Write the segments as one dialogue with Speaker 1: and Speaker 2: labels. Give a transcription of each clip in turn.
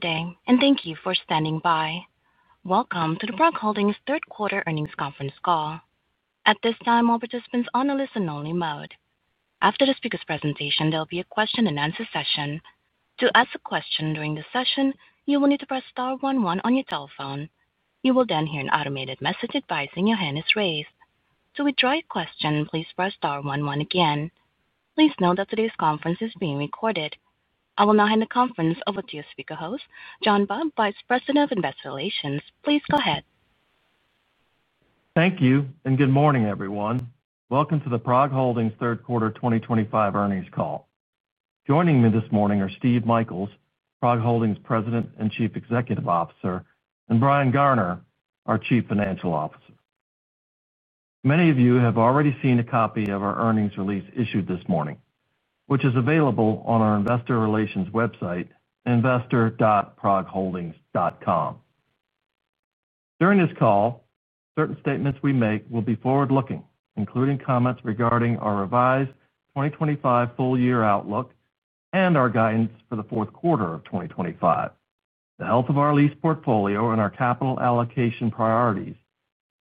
Speaker 1: Thank you for standing by. Welcome to the PROG Holdings third quarter earnings conference call. At this time, all participants are on a listen-only mode. After the speaker's presentation, there will be a question and answer session. To ask a question during the session, you will need to press star one on your telephone. You will then hear an automated message advising your hand is raised. To withdraw a question, please press star one again. Please note that today's conference is being recorded. I will now hand the conference over to your speaker host, John Baugh, Vice President of Investor Relations. Please go ahead.
Speaker 2: Thank you, and good morning, everyone. Welcome to the PROG Holdings third quarter 2025 earnings call. Joining me this morning are Steve Michaels, PROG Holdings' President and Chief Executive Officer, and Brian Garner, our Chief Financial Officer. Many of you have already seen a copy of our earnings release issued this morning, which is available on our Investor Relations website investor.progholdings.com. During this call, certain statements we make will be forward-looking, including comments regarding our revised 2025 full-year outlook and our guidance for the fourth quarter of 2025, the health of our lease portfolio and our capital allocation priorities,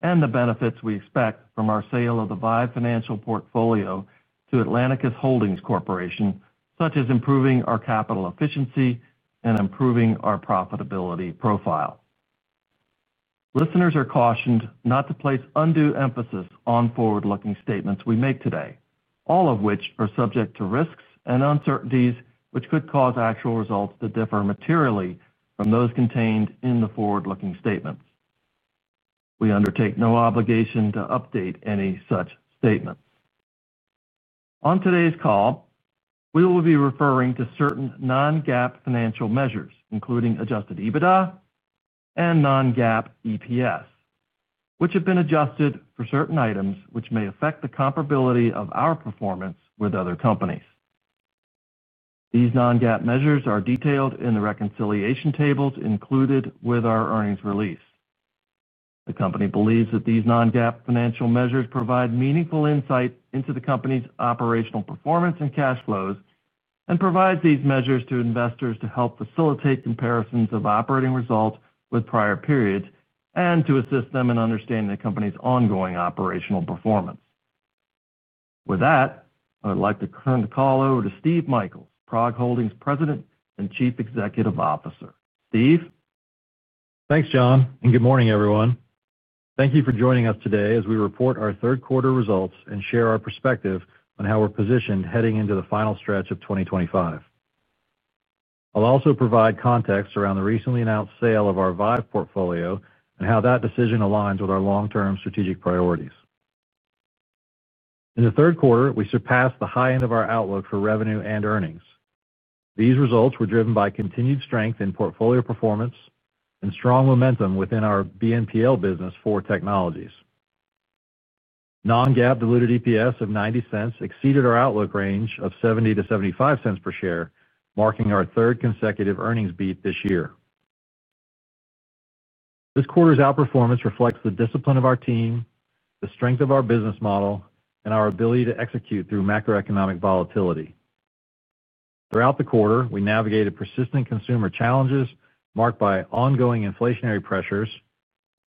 Speaker 2: and the benefits we expect from our the Vive Financial portfolio to Atlanticus Holdings Corporation, such as improving our capital efficiency and improving our profitability profile. Listeners are cautioned not to place undue emphasis on forward-looking statements we make today, all of which are subject to risks and uncertainties which could cause actual results to differ materially from those contained in the forward-looking statements. We undertake no obligation to update any such statements. On today's call, we will be referring to certain non-GAAP financial measures, including adjusted EBITDA and non-GAAP diluted EPS, which have been adjusted for certain items which may affect the comparability of our performance with other companies. These non-GAAP measures are detailed in the reconciliation tables included with our earnings release. The company believes that these non-GAAP financial measures provide meaningful insight into the company's operational performance and cash flows and provides these measures to investors to help facilitate comparisons of operating results with prior periods and to assist them in understanding the company's ongoing operational performance. With that, I would like to turn the call over to Steve Michaels, PROG Holdings' President and Chief Executive Officer. Steve.
Speaker 3: Thanks, John, and good morning, everyone. Thank you for joining us today as we report our third quarter results and share our perspective on how we're positioned heading into the final stretch of 2025. I'll also provide context around the recently our Vive portfolio and how that decision aligns with our long-term strategic priorities. In the third quarter, we surpassed the high end of our outlook for revenue and earnings. These results were driven by continued strength in portfolio performance and strong momentum within our BNPL business Four Technologies. Non-GAAP diluted EPS of $0.90 exceeded our outlook range of $0.70-$0.75 per share, marking our third consecutive earnings beat this year. This quarter's outperformance reflects the discipline of our team, the strength of our business model, and our ability to execute through macro-economic volatility. Throughout the quarter, we navigated persistent consumer challenges marked by ongoing inflationary pressures,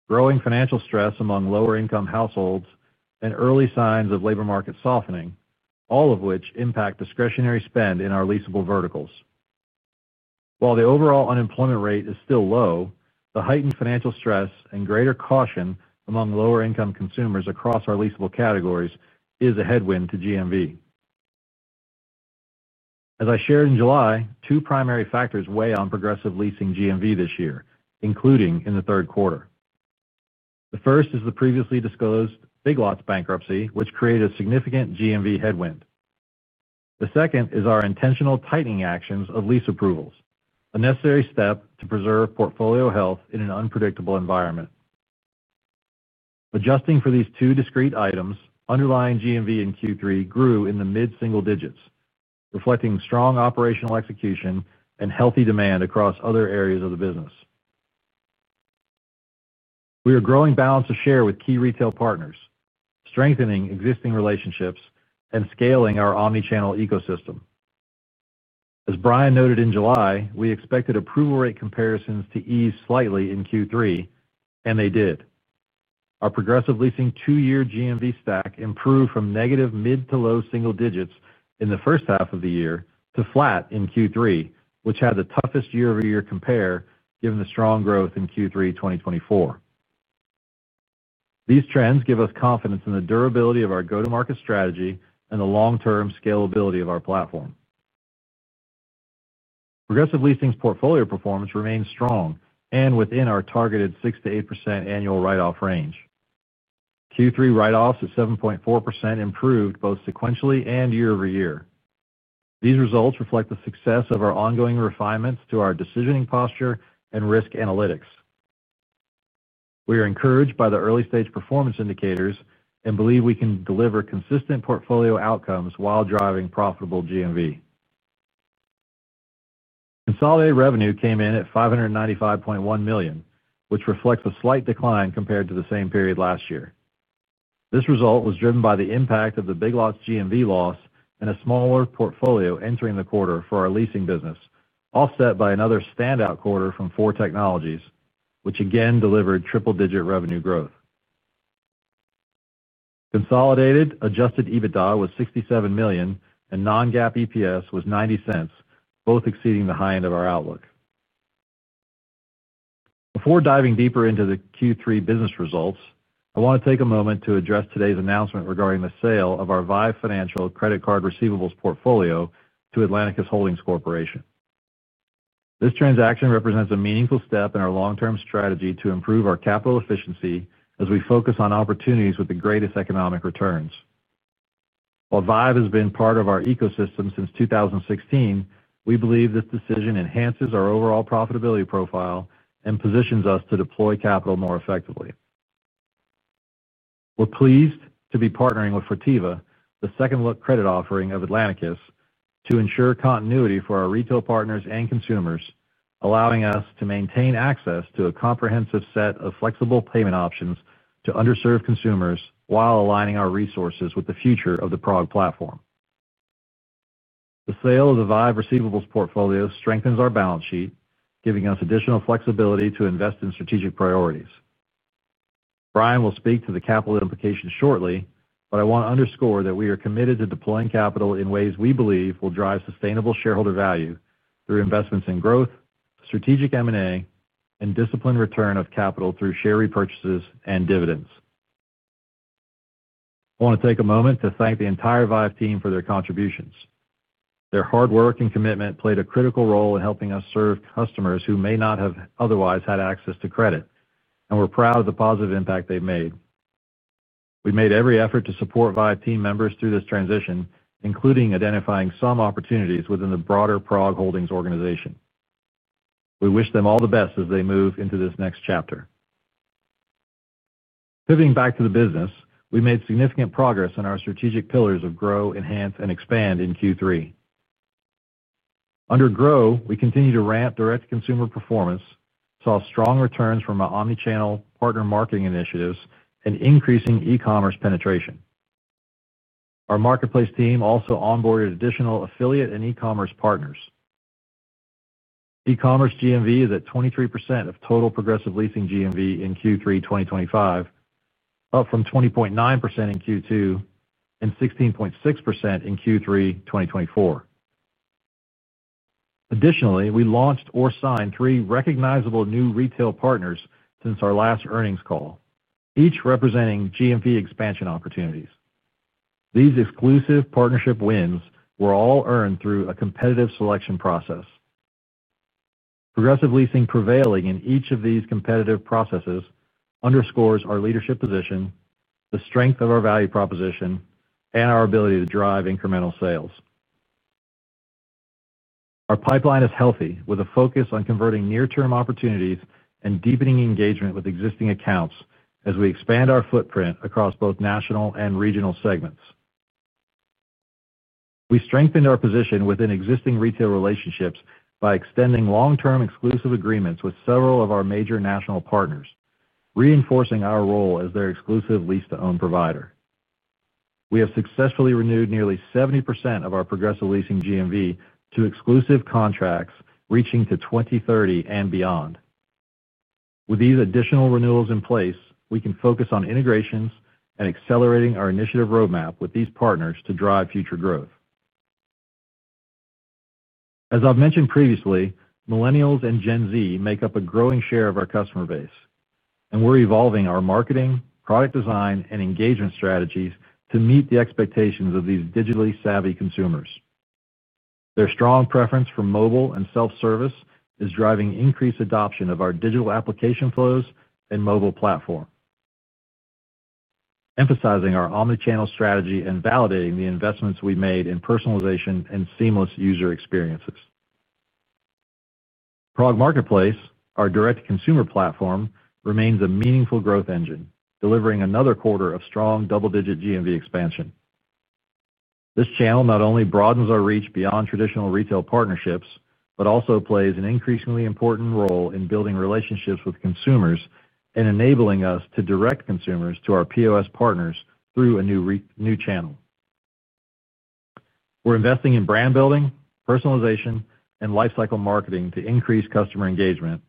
Speaker 3: growing financial stress among lower-income households, and early signs of labor market softening, all of which impact discretionary spend in our leasable verticals. While the overall unemployment rate is still low, the heightened financial stress and greater caution among lower-income consumers across our leasable categories is a headwind to GMV. As I shared in July, two primary factors weigh on Progressive Leasing GMV this year, including in the third quarter. The first is the previously disclosed Big Lots bankruptcy, which created a significant GMV headwind. The second is our intentional tightening actions of lease approvals, a necessary step to preserve portfolio health in an unpredictable environment. Adjusting for these two discrete items, underlying GMV in Q3 grew in the mid-single digits, reflecting strong operational execution and healthy demand across other areas of the business. We are growing balance of share with key retail partners, strengthening existing relationships, and scaling our omnichannel ecosystem. As Brian Garner noted in July, we expected approval rate comparisons to ease slightly in Q3, and they did. Our Progressive Leasing two-year GMV stack improved from negative mid to low single digits in the first half of the year to flat in Q3, which had the toughest year-over-year compare given the strong growth in Q3 2024. These trends give us confidence in the durability of our go-to-market strategy and the long-term scalability of our platform. Progressive Leasing's portfolio performance remains strong and within our targeted 6%-8% annual write-off range. Q3 write-offs at 7.4% improved both sequentially and year-over-year. These results reflect the success of our ongoing refinements to our decisioning posture and risk analytics. We are encouraged by the early-stage performance indicators and believe we can deliver consistent portfolio outcomes while driving profitable GMV. Consolidated revenue came in at $595.1 million, which reflects a slight decline compared to the same period last year. This result was driven by the impact of the Big Lots GMV loss and a smaller portfolio entering the quarter for our leasing business, offset by another standout quarter from Four Technologies, which again delivered triple-digit revenue growth. Consolidated adjusted EBITDA was $67 million and non-GAAP EPS was $0.90, both exceeding the high end of our outlook. Before diving deeper into the Q3 business results, I want to take a moment to address today's announcement regarding the sale of our Vive Financial credit card receivables portfolio to Atlanticus Holdings Corporation. This transaction represents a meaningful step in our long-term strategy to improve our capital efficiency as we focus on opportunities with the greatest economic returns. While Vive has been part of our ecosystem since 2016, we believe this decision enhances our overall profitability profile and positions us to deploy capital more effectively. We're pleased to be partnering with Fortiva, the second look credit offering of Atlanticus, to ensure continuity for our retail partners and consumers, allowing us to maintain access to a comprehensive set of flexible payment options to underserved consumers while aligning our resources with the future of the PROG platform. The sale of the Vive receivables portfolio strengthens our balance sheet, giving us additional flexibility to invest in strategic priorities. Brian will speak to the capital implications shortly, but I want to underscore that we are committed to deploying capital in ways we believe will drive sustainable shareholder value through investments in growth, strategic M&A, and disciplined return of capital through share repurchases and dividends. I want to take a moment to thank the entire Vive team for their contributions. Their hard work and commitment played a critical role in helping us serve customers who may not have otherwise had access to credit, and we're proud of the positive impact they've made. We made every effort to support Vive team members through this transition, including identifying some opportunities within the broader PROG Holdings organization. We wish them all the best as they move into this next chapter. Pivoting back to the business, we made significant progress in our strategic pillars of Grow, Enhance, and Expand in Q3. Under Grow, we continue to ramp direct-to-consumer performance, saw strong returns from our omnichannel partner marketing initiatives, and increasing e-commerce penetration. Our marketplace team also onboarded additional affiliate and e-commerce partners. E-commerce GMV is at 23% of total Progressive Leasing GMV in Q3 2025, up from 20.9% in Q2 and 16.6% in Q3 2024. Additionally, we launched or signed three recognizable new retail partners since our last earnings call, each representing GMV expansion opportunities. These exclusive partnership wins were all earned through a competitive selection process. Progressive Leasing prevailing in each of these competitive processes underscores our leadership position, the strength of our value proposition, and our ability to drive incremental sales. Our pipeline is healthy, with a focus on converting near-term opportunities and deepening engagement with existing accounts as we expand our footprint across both national and regional segments. We strengthened our position within existing retail relationships by extending long-term exclusive agreements with several of our major national partners, reinforcing our role as their exclusive lease-to-own provider. We have successfully renewed nearly 70% of our Progressive Leasing GMV to exclusive contracts reaching to 2030 and beyond. With these additional renewals in place, we can focus on integrations and accelerating our initiative roadmap with these partners to drive future growth. As I've mentioned previously, Millennials and Gen Z make up a growing share of our customer base, and we're evolving our marketing, product design, and engagement strategies to meet the expectations of these digitally savvy consumers. Their strong preference for mobile and self-service is driving increased adoption of our digital application flows and mobile platform, emphasizing our omnichannel strategy and validating the investments we made in personalization and seamless user experiences. PROG Marketplace, our direct-to-consumer platform, remains a meaningful growth engine, delivering another quarter of strong double-digit GMV expansion. This channel not only broadens our reach beyond traditional retail partnerships but also plays an increasingly important role in building relationships with consumers and enabling us to direct consumers to our POS partners through a new channel. We're investing in brand building, personalization, and lifecycle marketing to increase customer engagement,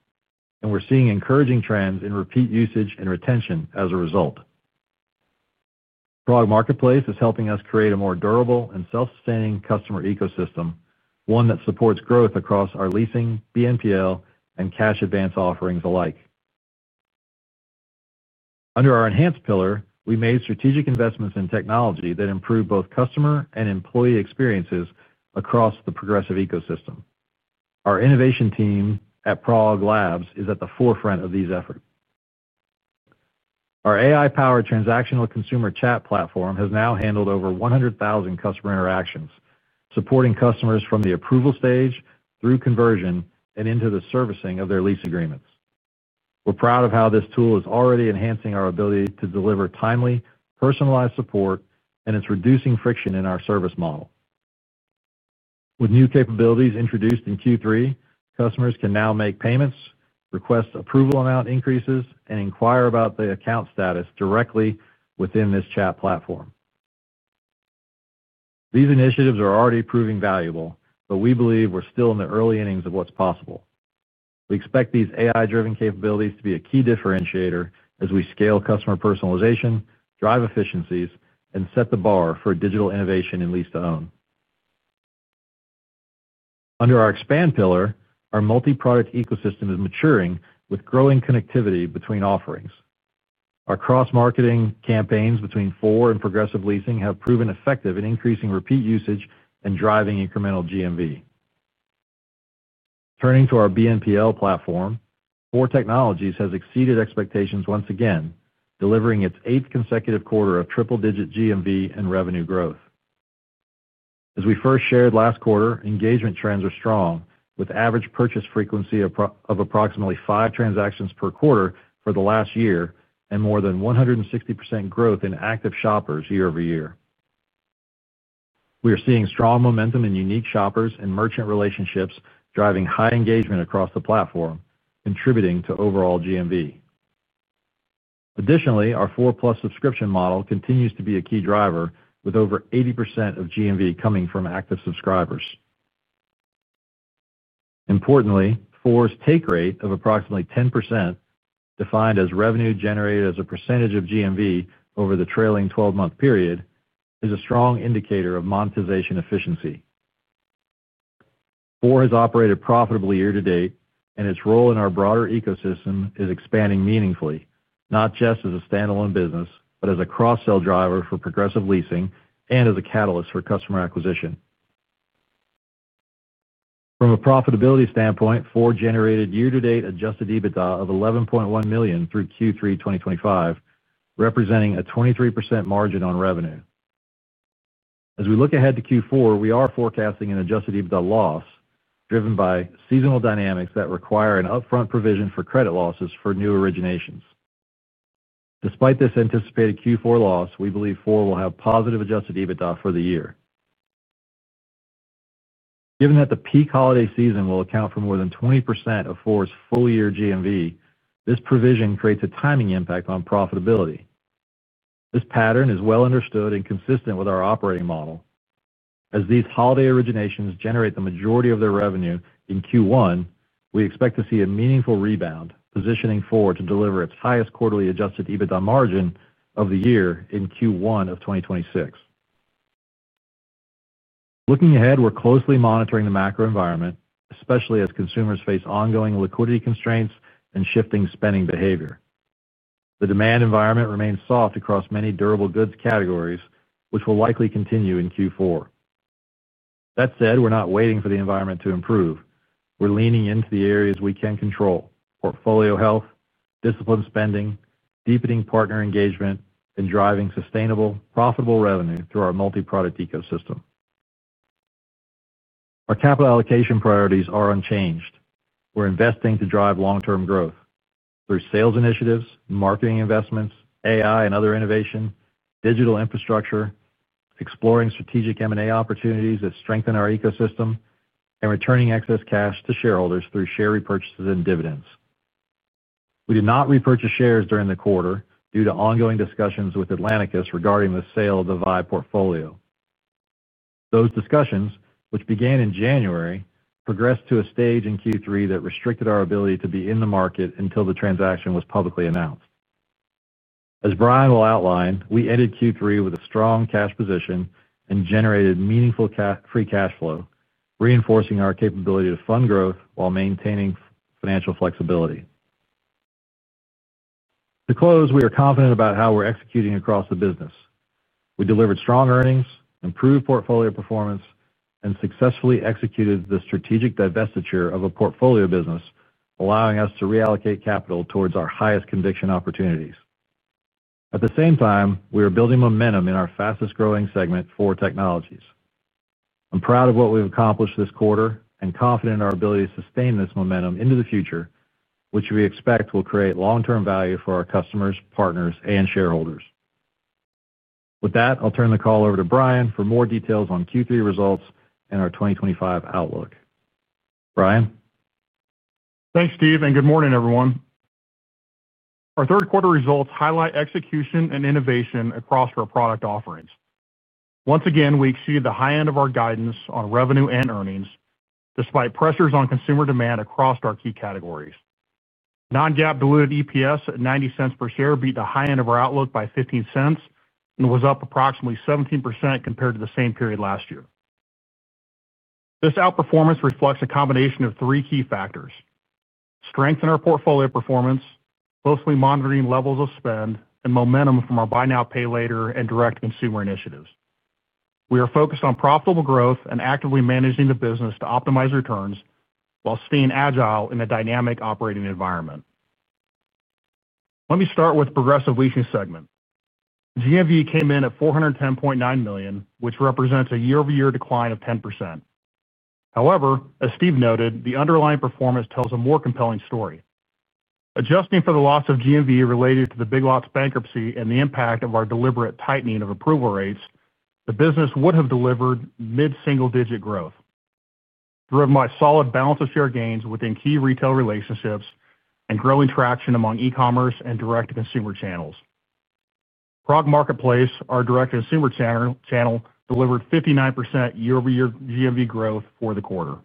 Speaker 3: and we're seeing encouraging trends in repeat usage and retention as a result. PROG Marketplace is helping us create a more durable and self-sustaining customer ecosystem, one that supports growth across our leasing, BNPL, and cash advance offerings alike. Under our Enhance pillar, we made strategic investments in technology that improve both customer and employee experiences across the Progressive ecosystem. Our innovation team at PROG Labs is at the forefront of these efforts. Our AI-powered transactional consumer chat platform has now handled over 100,000 customer interactions, supporting customers from the approval stage through conversion and into the servicing of their lease agreements. We're proud of how this tool is already enhancing our ability to deliver timely, personalized support, and it's reducing friction in our service model. With new capabilities introduced in Q3, customers can now make payments, request approval amount increases, and inquire about the account status directly within this chat platform. These initiatives are already proving valuable, but we believe we're still in the early innings of what's possible. We expect these AI-driven capabilities to be a key differentiator as we scale customer personalization, drive efficiencies, and set the bar for digital innovation in lease-to-own. Under our Expand pillar, our multi-product ecosystem is maturing with growing connectivity between offerings. Our cross-marketing campaigns between Four and Progressive Leasing have proven effective in increasing repeat usage and driving incremental GMV. Turning to our BNPL platform, Four Technologies has exceeded expectations once again, delivering its eighth consecutive quarter of triple-digit GMV and revenue growth. As we first shared last quarter, engagement trends are strong, with average purchase frequency of approximately five transactions per quarter for the last year and more than 160% growth in active shoppers year-over-year. We are seeing strong momentum in unique shoppers and merchant relationships, driving high engagement across the platform, contributing to overall GMV. Additionally, our Four Plus subscription model continues to be a key driver, with over 80% of GMV coming from active subscribers. Importantly, Four's take rate of approximately 10%, defined as revenue generated as a percentage of GMV over the trailing 12-month period, is a strong indicator of monetization efficiency. Four has operated profitably year-to-date, and its role in our broader ecosystem is expanding meaningfully, not just as a standalone business but as a cross-sell driver for Progressive Leasing and as a catalyst for customer acquisition. From a profitability standpoint, Four generated year-to-date adjusted EBITDA of $11.1 million through Q3 2025, representing a 23% margin on revenue. As we look ahead to Q4, we are forecasting an adjusted EBITDA loss driven by seasonal dynamics that require an upfront provision for credit losses for new originations. Despite this anticipated Q4 loss, we believe Four will have positive adjusted EBITDA for the year. Given that the peak holiday season will account for more than 20% of Four's full-year GMV, this provision creates a timing impact on profitability. This pattern is well understood and consistent with our operating model. As these holiday originations generate the majority of their revenue in Q1, we expect to see a meaningful rebound, positioning Four to deliver its highest quarterly adjusted EBITDA margin of the year in Q1 of 2026. Looking ahead, we're closely monitoring the macro-economic environment, especially as consumers face ongoing liquidity constraints and shifting spending behavior. The demand environment remains soft across many durable goods categories, which will likely continue in Q4. That said, we're not waiting for the environment to improve. We're leaning into the areas we can control: portfolio health, disciplined spending, deepening partner engagement, and driving sustainable, profitable revenue through our multi-product ecosystem. Our capital allocation priorities are unchanged. We're investing to drive long-term growth through sales initiatives, marketing investments, AI and other innovation, digital infrastructure, exploring strategic M&A opportunities that strengthen our ecosystem, and returning excess cash to shareholders through share repurchases and dividends. We did not repurchase shares during the quarter due to ongoing discussions with Atlanticus regarding the Vive portfolio. those discussions, which began in January, progressed to a stage in Q3 that restricted our ability to be in the market until the transaction was publicly announced. As Brian Garner will outline, we ended Q3 with a strong cash position and generated meaningful free cash flow, reinforcing our capability to fund growth while maintaining financial flexibility. To close, we are confident about how we're executing across the business. We delivered strong earnings, improved portfolio performance, and successfully executed the strategic divestiture of a portfolio business, allowing us to reallocate capital towards our highest conviction opportunities. At the same time, we are building momentum in our fastest growing segment, Four Technologies. I'm proud of what we've accomplished this quarter and confident in our ability to sustain this momentum into the future, which we expect will create long-term value for our customers, partners, and shareholders. With that, I'll turn the call over to Brian Garner for more details on Q3 results and our 2025 outlook. Brian?
Speaker 4: Thanks, Steve, and good morning, everyone. Our third quarter results highlight execution and innovation across our product offerings. Once again, we exceeded the high end of our guidance on revenue and earnings, despite pressures on consumer demand across our key categories. Non-GAAP diluted EPS at $0.90 per share beat the high end of our outlook by $0.15 and was up approximately 17% compared to the same period last year. This outperformance reflects a combination of three key factors: strength in our portfolio performance, closely monitoring levels of spend, and momentum from our buy now, pay later, and direct-to-consumer initiatives. We are focused on profitable growth and actively managing the business to optimize returns while staying agile in a dynamic operating environment. Let me start with the Progressive Leasing segment. GMV came in at $410.9 million, which represents a year-over-year decline of 10%. However, as Steve noted, the underlying performance tells a more compelling story. Adjusting for the loss of GMV related to the Big Lots bankruptcy and the impact of our deliberate tightening of approval rates, the business would have delivered mid-single-digit growth, driven by a solid balance of share gains within key retail relationships and growing traction among e-commerce and direct-to-consumer channels. PROG Marketplace, our direct-to-consumer channel, delivered 59% year-over-year GMV growth for the quarter.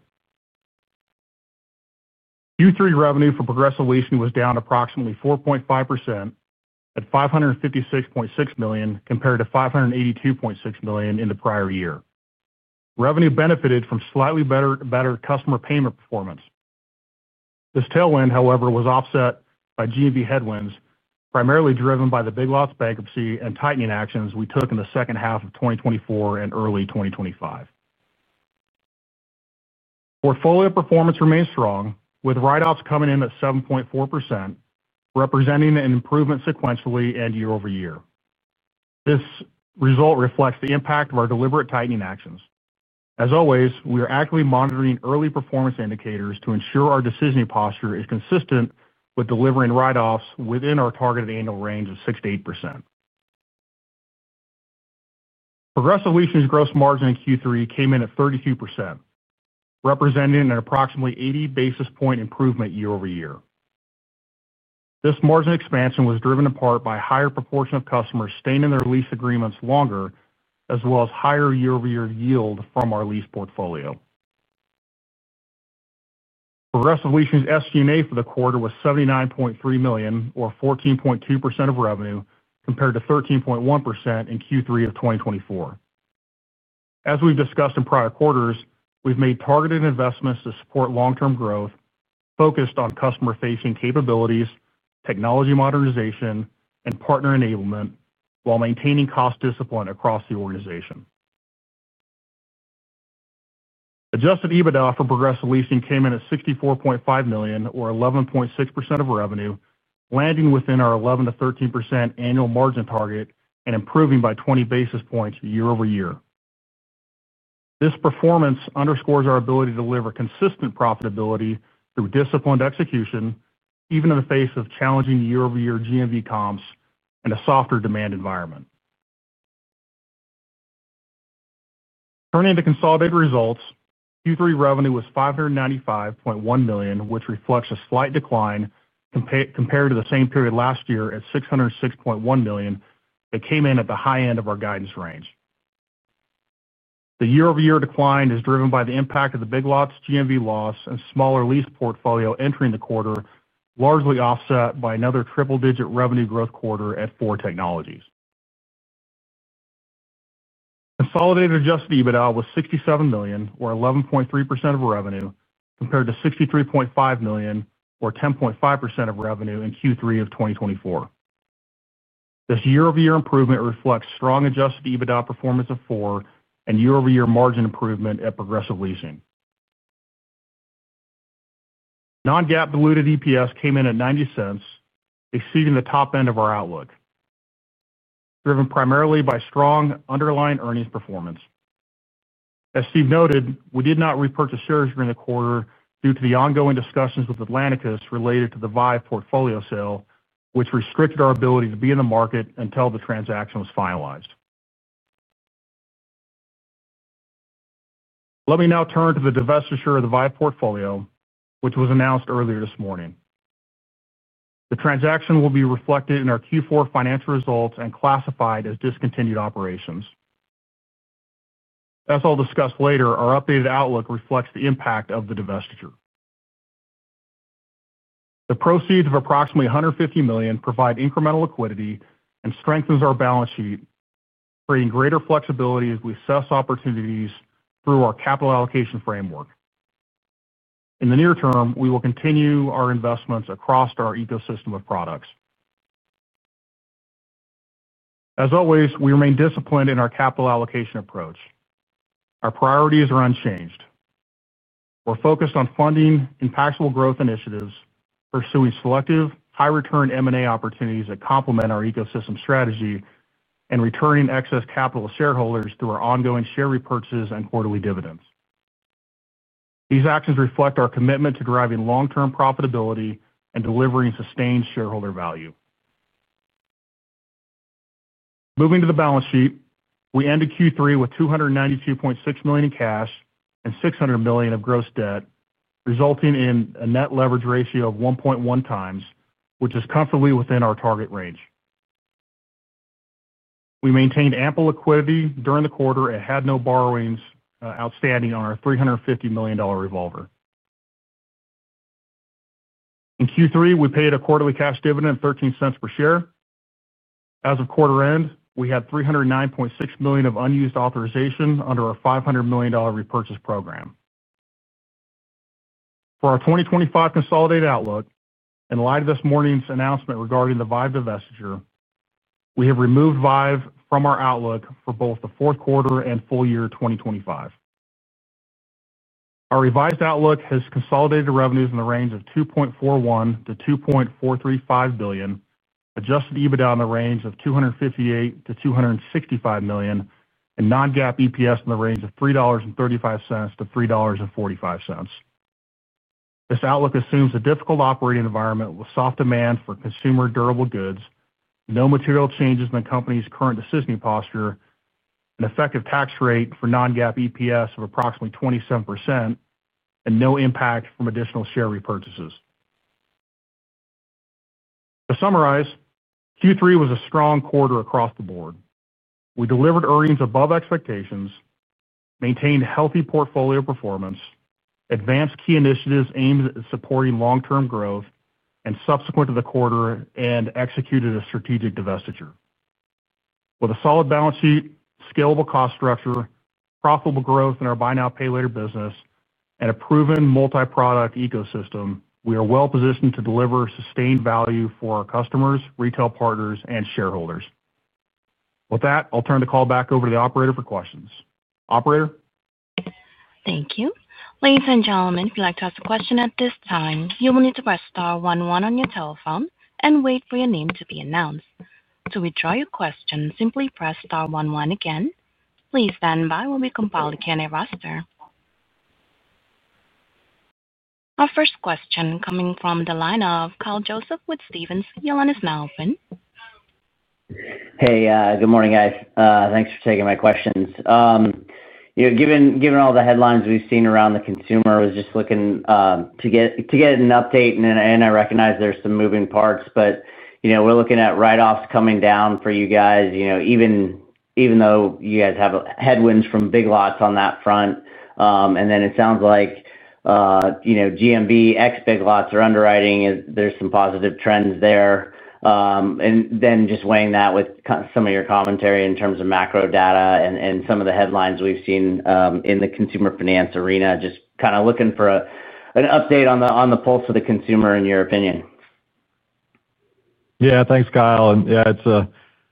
Speaker 4: Q3 revenue for Progressive Leasing was down approximately 4.5% at $556.6 million compared to $582.6 million in the prior year. Revenue benefited from slightly better customer payment performance. This tailwind, however, was offset by GMV headwinds, primarily driven by the Big Lots bankruptcy and tightening actions we took in the second half of 2024 and early 2025. Portfolio performance remains strong, with write-offs coming in at 7.4%, representing an improvement sequentially and year-over-year. This result reflects the impact of our deliberate tightening actions. As always, we are actively monitoring early performance indicators to ensure our decisioning posture is consistent with delivering write-offs within our targeted annual range of 6%-8%. Progressive Leasing's gross margin in Q3 came in at 32%, representing an approximately 80 basis point improvement year-over-year. This margin expansion was driven in part by a higher proportion of customers staying in their lease agreements longer, as well as higher year-over-year yield from our lease portfolio. Progressive Leasing's SG&A for the quarter was $79.3 million, or 14.2% of revenue, compared to 13.1% in Q3 of 2024. As we've discussed in prior quarters, we've made targeted investments to support long-term growth, focused on customer-facing capabilities, technology modernization, and partner enablement, while maintaining cost discipline across the organization. Adjusted EBITDA for Progressive Leasing came in at $64.5 million, or 11.6% of revenue, landing within our 11% to 13% annual margin target and improving by 20 basis points year-over-year. This performance underscores our ability to deliver consistent profitability through disciplined execution, even in the face of challenging year-over-year GMV comps and a softer demand environment. Turning to consolidated results, Q3 revenue was $595.1 million, which reflects a slight decline compared to the same period last year at $606.1 million that came in at the high end of our guidance range. The year-over-year decline is driven by the impact of the Big Lots GMV loss and smaller lease portfolio entering the quarter, largely offset by another triple-digit revenue growth quarter at Four Technologies. Consolidated adjusted EBITDA was $67 million, or 11.3% of revenue, compared to $63.5 million, or 10.5% of revenue in Q3 of 2024. This year-over-year improvement reflects strong adjusted EBITDA performance of Four and year-over-year margin improvement at Progressive Leasing. Non-GAAP diluted EPS came in at $0.90, exceeding the top end of our outlook, driven primarily by strong underlying earnings performance. As Steve noted, we did not repurchase shares during the quarter due to the ongoing discussions with the Vive portfolio sale, which restricted our ability to be in the market until the transaction was finalized. Let me now turn to the Vive portfolio, which was announced earlier this morning. The transaction will be reflected in our Q4 financial results and classified as discontinued operations. As I'll discuss later, our updated outlook reflects the impact of the divestiture. The proceeds of approximately $150 million provide incremental liquidity and strengthen our balance sheet, creating greater flexibility as we assess opportunities through our capital allocation framework. In the near term, we will continue our investments across our ecosystem of products. As always, we remain disciplined in our capital allocation approach. Our priorities are unchanged. We're focused on funding impactable growth initiatives, pursuing selective, high-return M&A opportunities that complement our ecosystem strategy, and returning excess capital to shareholders through our ongoing share repurchases and quarterly dividends. These actions reflect our commitment to driving long-term profitability and delivering sustained shareholder value. Moving to the balance sheet, we ended Q3 with $292.6 million in cash and $600 million of gross debt, resulting in a net leverage ratio of 1.1x, which is comfortably within our target range. We maintained ample liquidity during the quarter and had no borrowings outstanding on our $350 million revolver. In Q3, we paid a quarterly cash dividend of $0.13 per share. As of quarter end, we had $309.6 million of unused authorization under our $500 million repurchase program. For our 2025 consolidated outlook, in light of this morning's announcement regarding the Vive divestiture, we have removed Vive from our outlook for both the fourth quarter and full year 2025. Our revised outlook has consolidated revenues in the range of $2.41 billion-$2.435 billion, adjusted EBITDA in the range of $258 million-$265 million, and non-GAAP EPS in the range of $3.35-$3.45. This outlook assumes a difficult operating environment with soft demand for consumer durable goods, no material changes in the company's current decisioning posture, an effective tax rate for non-GAAP EPS of approximately 27%, and no impact from additional share repurchases. To summarize, Q3 was a strong quarter across the board. We delivered earnings above expectations, maintained healthy portfolio performance, advanced key initiatives aimed at supporting long-term growth, and subsequent to the quarter end, executed a strategic divestiture. With a solid balance sheet, scalable cost structure, profitable growth in our buy now, pay later business, and a proven multi-product ecosystem, we are well positioned to deliver sustained value for our customers, retail partners, and shareholders. With that, I'll turn the call back over to the operator for questions. Operator?
Speaker 1: Thank you. Ladies and gentlemen, if you'd like to ask a question at this time, you will need to press star 11 on your telephone and wait for your name to be announced. To withdraw your question, simply press star 11 again. Please stand by while we compile the candidate roster. Our first question coming from the line of Kyle Joseph with Stevens. Your line is now open.
Speaker 5: Hey, good morning, guys. Thanks for taking my questions. Given all the headlines we've seen around the consumer, I was just looking to get an update, and I recognize there's some moving parts, but we're looking at write-offs coming down for you guys, even though you guys have headwinds from Big Lots on that front. It sounds like GMV ex-Big Lots are underwriting. There's some positive trends there. Just weighing that with some of your commentary in terms of macro data and some of the headlines we've seen in the consumer finance arena, just kind of looking for an update on the pulse of the consumer in your opinion.
Speaker 3: Yeah, thanks, Kyle.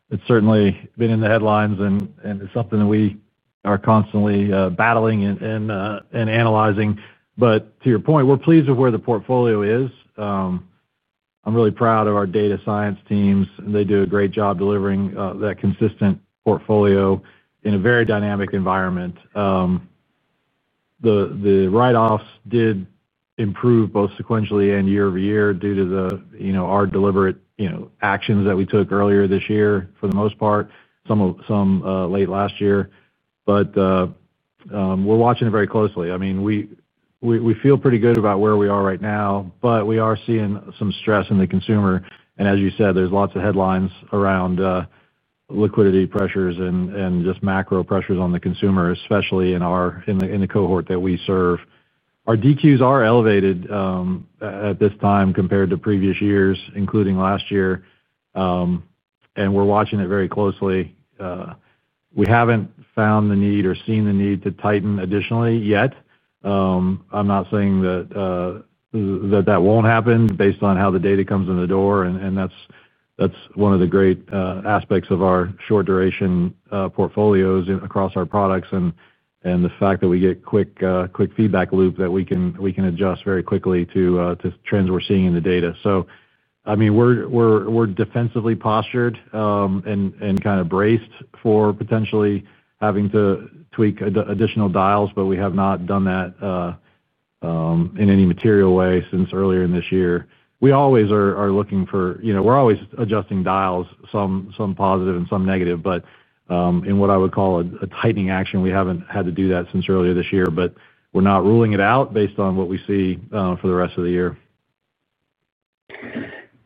Speaker 3: It's certainly been in the headlines, and it's something that we are constantly battling and analyzing. To your point, we're pleased with where the portfolio is. I'm really proud of our data science teams, and they do a great job delivering that consistent portfolio in a very dynamic environment. The write-offs did improve both sequentially and year-over-year due to our deliberate actions that we took earlier this year for the most part, some of late last year. We're watching it very closely. We feel pretty good about where we are right now, but we are seeing some stress in the consumer. As you said, there's lots of headlines around liquidity pressures and just macro pressures on the consumer, especially in the cohort that we serve. Our DQs are elevated at this time compared to previous years, including last year, and we're watching it very closely. We haven't found the need or seen the need to tighten additionally yet. I'm not saying that that won't happen based on how the data comes in the door. One of the great aspects of our short-duration portfolios across our products is the fact that we get a quick feedback loop that we can adjust very quickly to trends we're seeing in the data. We're defensively postured and kind of braced for potentially having to tweak additional dials, but we have not done that in any material way since earlier in this year. We always are looking for, you know, we're always adjusting dials, some positive and some negative. In what I would call a tightening action, we haven't had to do that since earlier this year. We're not ruling it out based on what we see for the rest of the year.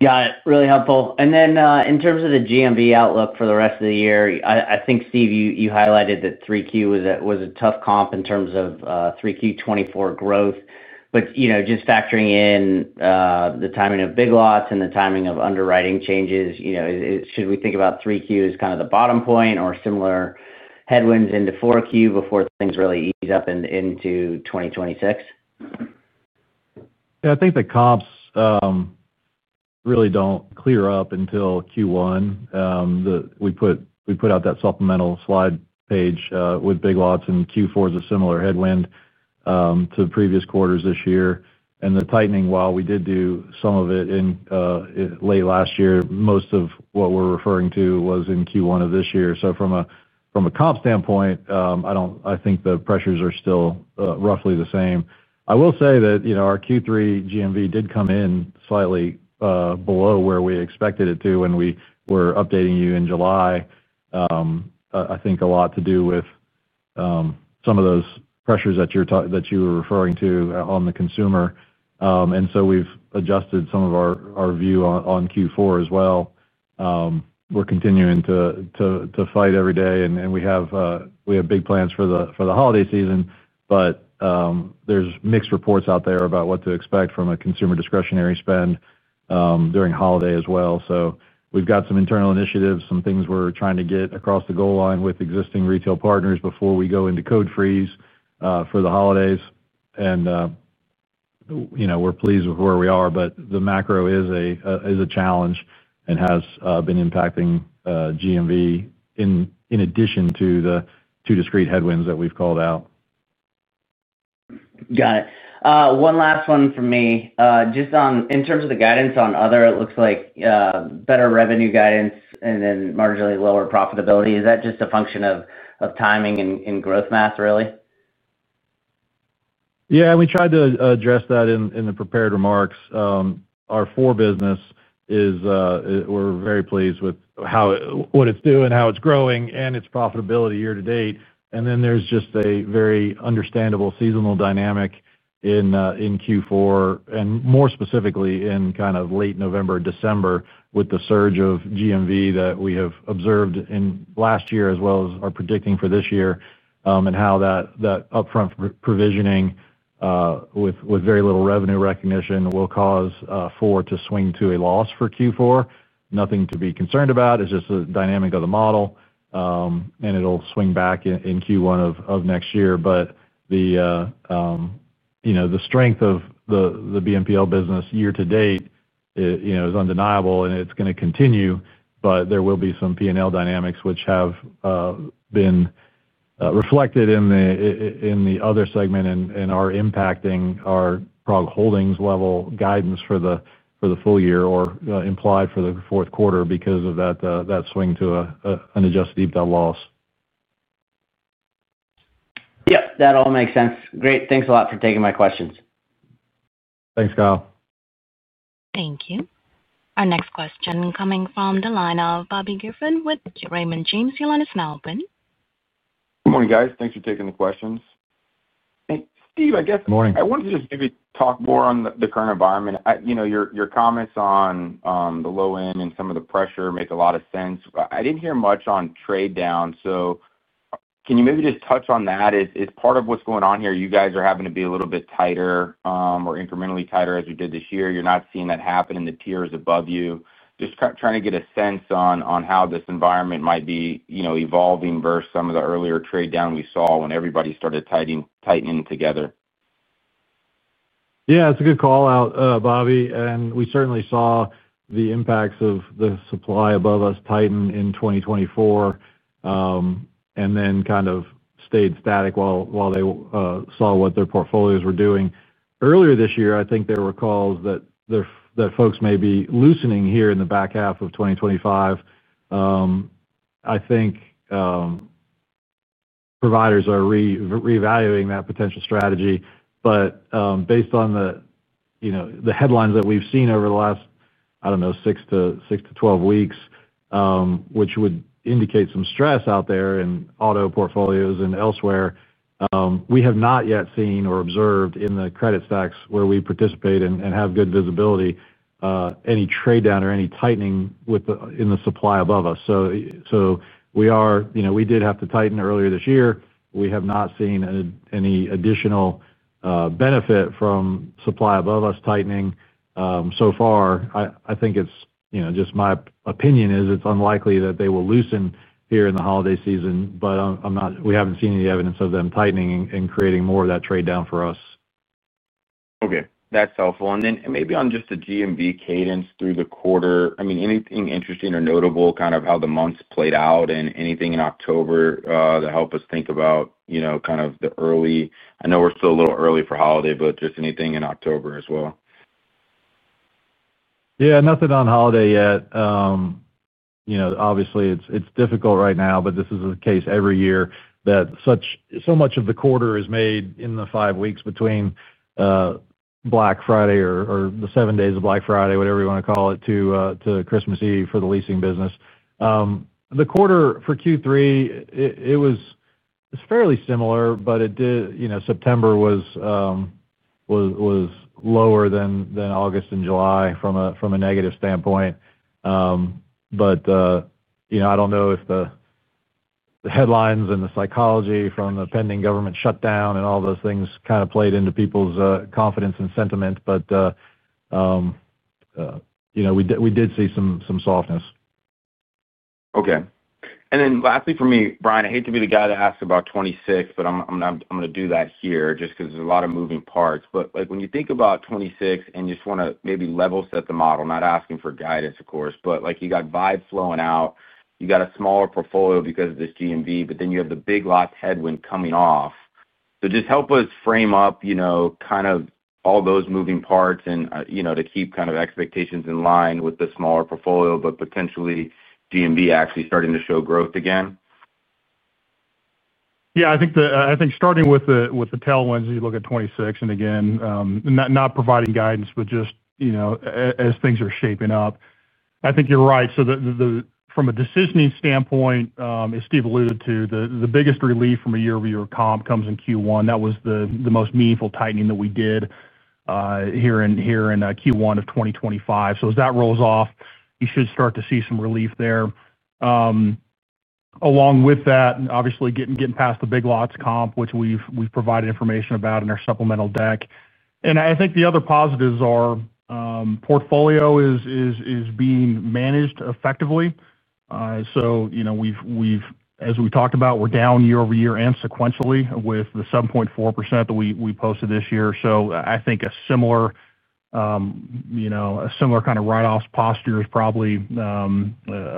Speaker 5: Got it. Really helpful. In terms of the GMV outlook for the rest of the year, I think, Steve, you highlighted that 3Q was a tough comp in terms of 3Q 2024 growth. Just factoring in the timing of Big Lots and the timing of underwriting changes, should we think about 3Q as kind of the bottom point or similar headwinds into 4Q before things really ease up into 2026?
Speaker 3: Yeah, I think the comps really don't clear up until Q1. We put out that supplemental slide page with Big Lots in Q4 as a similar headwind to previous quarters this year. The tightening, while we did do some of it in late last year, most of what we're referring to was in Q1 of this year. From a comp standpoint, I think the pressures are still roughly the same. I will say that our Q3 GMV did come in slightly below where we expected it to when we were updating you in July. I think a lot to do with some of those pressures that you were referring to on the consumer. We've adjusted some of our view on Q4 as well. We're continuing to fight every day. We have big plans for the holiday season. There are mixed reports out there about what to expect from a consumer discretionary spend during holiday as well. We've got some internal initiatives, some things we're trying to get across the goal line with existing retail partners before we go into code freeze for the holidays. We're pleased with where we are, but the macro is a challenge and has been impacting GMV in addition to the two discrete headwinds that we've called out.
Speaker 5: Got it. One last one from me. Just in terms of the guidance on other, it looks like better revenue guidance and then marginally lower profitability. Is that just a function of timing and growth math, really?
Speaker 3: Yeah, we tried to address that in the prepared remarks. Our Four business, we're very pleased with what it's doing, how it's growing, and its profitability year-to-date. There is just a very understandable seasonal dynamic in Q4 and more specifically in kind of late November, December with the surge of GMV that we have observed in last year as well as are predicting for this year and how that upfront provisioning with very little revenue recognition will cause Four to swing to a loss for Q4. Nothing to be concerned about. It's just a dynamic of the model. It'll swing back in Q1 of next year. The strength of the BNPL business year-to-date is undeniable, and it's going to continue. There will be some P&L dynamics which have been reflected in the other segment and are impacting our PROG Holdings level guidance for the full year or implied for the fourth quarter because of that swing to an adjusted EBITDA loss.
Speaker 5: Yep, that all makes sense. Great, thanks a lot for taking my questions.
Speaker 3: Thanks, Kyle.
Speaker 1: Thank you. Our next question coming from the line of Bobby Griffin with Raymond James. Your line is now open.
Speaker 6: Good morning, guys. Thanks for taking the questions. Thanks, Steve, I guess.
Speaker 3: Good morning.
Speaker 6: I wanted to just maybe talk more on the current environment. Your comments on the low end and some of the pressure make a lot of sense. I didn't hear much on trade down. Can you maybe just touch on that? Is part of what's going on here, you guys are having to be a little bit tighter or incrementally tighter as we did this year? You're not seeing that happen in the tiers above you. Just trying to get a sense on how this environment might be evolving versus some of the earlier trade down we saw when everybody started tightening together.
Speaker 3: Yeah, that's a good call out, Bobby. We certainly saw the impacts of the supply above us tighten in 2024 and then kind of stayed static while they saw what their portfolios were doing. Earlier this year, I think there were calls that folks may be loosening here in the back half of 2025. I think providers are reevaluating that potential strategy. Based on the headlines that we've seen over the last, I don't know, six weeks-12 weeks, which would indicate some stress out there in auto portfolios and elsewhere, we have not yet seen or observed in the credit stacks where we participate and have good visibility any trade down or any tightening in the supply above us. We did have to tighten earlier this year. We have not seen any additional benefit from supply above us tightening so far. I think it's just my opinion it's unlikely that they will loosen here in the holiday season, but we haven't seen any evidence of them tightening and creating more of that trade down for us.
Speaker 6: Okay. That's helpful. Maybe on just the GMV cadence through the quarter, anything interesting or notable, kind of how the months played out and anything in October to help us think about, you know, kind of the early, I know we're still a little early for holiday, but just anything in October as well.
Speaker 3: Yeah, nothing on holiday yet. Obviously, it's difficult right now, but this is a case every year that so much of the quarter is made in the five weeks between Black Friday or the seven days of Black Friday, whatever you want to call it, to Christmas Eve for the leasing business. The quarter for Q3 was fairly similar, but September was lower than August and July from a negative standpoint. I don't know if the headlines and the psychology from the pending government shutdown and all those things kind of played into people's confidence and sentiment, but we did see some softness.
Speaker 6: Okay. Lastly for me, Brian, I hate to be the guy to ask about '26, but I'm going to do that here just because there's a lot of moving parts. When you think about '26 and just want to maybe level set the model, not asking for guidance, of course, but you got Vive flowing out, you got a smaller portfolio because of this GMV, but you have the Big Lots headwind coming off. Help us frame up all those moving parts and keep expectations in line with the smaller portfolio, but potentially GMV actually starting to show growth again.
Speaker 4: Yeah, I think starting with the tailwinds as you look at 2026, and again, not providing guidance, but just, you know, as things are shaping up, I think you're right. From a decisioning standpoint, as Steve alluded to, the biggest relief from a year-over-year comp comes in Q1. That was the most meaningful tightening that we did here in Q1 of 2025. As that rolls off, you should start to see some relief there. Along with that, obviously, getting past the Big Lots comp, which we've provided information about in our supplemental deck. I think the other positives are portfolio is being managed effectively. We've, as we talked about, we're down year-over-year and sequentially with the 7.4% that we posted this year. I think a similar kind of write-offs posture is probably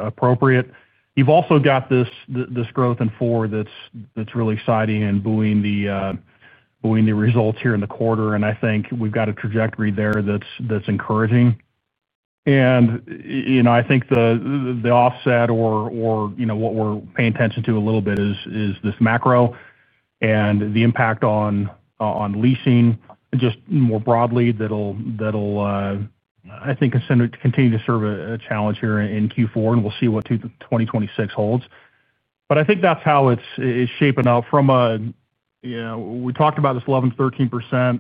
Speaker 4: appropriate. You've also got this growth in Four that's really exciting and buoying the results here in the quarter. I think we've got a trajectory there that's encouraging. I think the offset or what we're paying attention to a little bit is this macro and the impact on leasing and just more broadly that'll, I think, continue to serve a challenge here in Q4. We'll see what 2026 holds. I think that's how it's shaping up from a, you know, we talked about this 11%-13%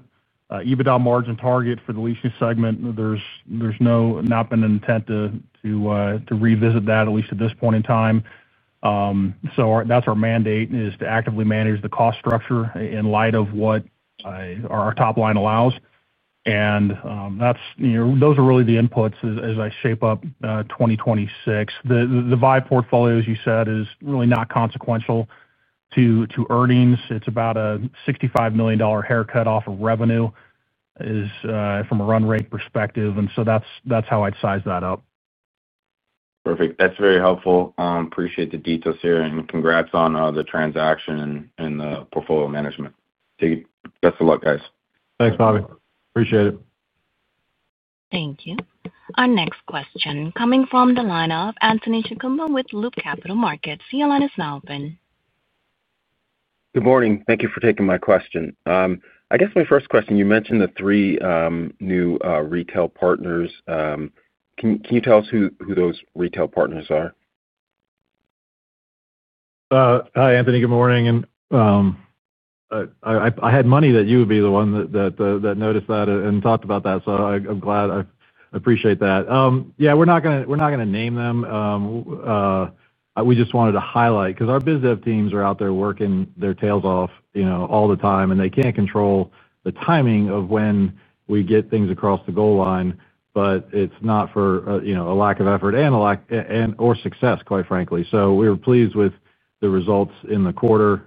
Speaker 4: EBITDA margin target for the leasing segment. There's not been an intent to revisit that, at least at this point in time. That's our mandate is to actively manage the cost structure in light of what our top line allows. Those are really the inputs as I shape up 2026. The Vive portfolio, as you said, is really not consequential to earnings. It's about a $65 million haircut off of revenue from a run rate perspective. That's how I'd size that up.
Speaker 6: Perfect. That's very helpful. Appreciate the details here, and congrats on the transaction and the portfolio management. Best of luck, guys.
Speaker 3: Thanks, Bobby. Appreciate it.
Speaker 1: Thank you. Our next question coming from the line of Anthony Chukumba with Loop Capital Markets. Your line is now open.
Speaker 7: Good morning. Thank you for taking my question. I guess my first question, you mentioned the three new retail partners. Can you tell us who those retail partners are?
Speaker 3: Hi, Anthony. Good morning. I had money that you would be the one that noticed that and talked about that. I'm glad. I appreciate that. Yeah, we're not going to name them. We just wanted to highlight because our biz dev teams are out there working their tails off all the time, and they can't control the timing of when we get things across the goal line. It's not for a lack of effort and/or success, quite frankly. We were pleased with the results in the quarter.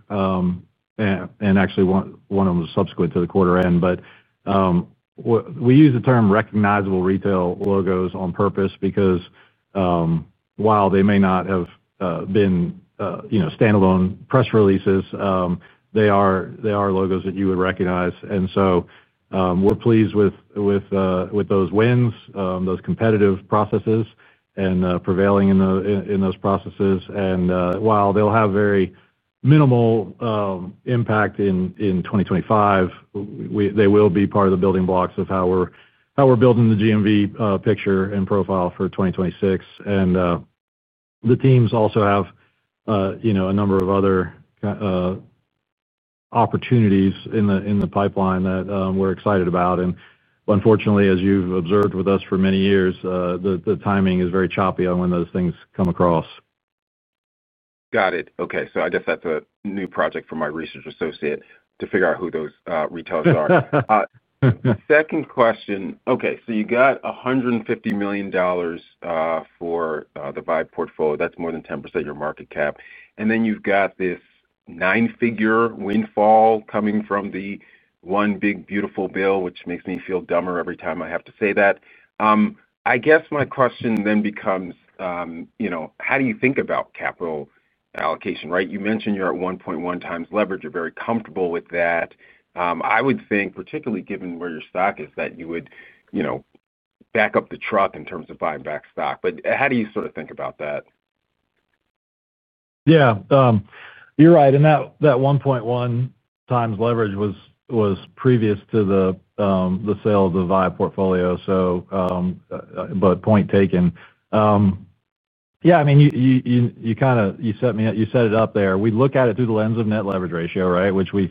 Speaker 3: Actually, one of them was subsequent to the quarter end. We use the term recognizable retail logos on purpose because while they may not have been standalone press releases, they are logos that you would recognize. We're pleased with those wins, those competitive processes, and prevailing in those processes. While they'll have very minimal impact in 2025, they will be part of the building blocks of how we're building the GMV picture and profile for 2026. The teams also have a number of other opportunities in the pipeline that we're excited about. Unfortunately, as you've observed with us for many years, the timing is very choppy on when those things come across.
Speaker 7: Got it. Okay. I guess that's a new project for my research associate to figure out who those retailers are. Second question. Okay. You got $150 million the Vive portfolio. that's more than 10% of your market cap. You've got this nine-figure windfall coming from the one big beautiful bill, which makes me feel dumber every time I have to say that. I guess my question then becomes, you know, how do you think about capital allocation, right? You mentioned you're at 1.1 times leverage. You're very comfortable with that. I would think, particularly given where your stock is, that you would, you know, back up the truck in terms of buying back stock. How do you sort of think about that?
Speaker 4: Yeah. You're right. That 1.1x leverage was previous to the sale of the Vive portfolio, but point taken. I mean, you set me up, you set it up there. We look at it through the lens of net leverage ratio, which we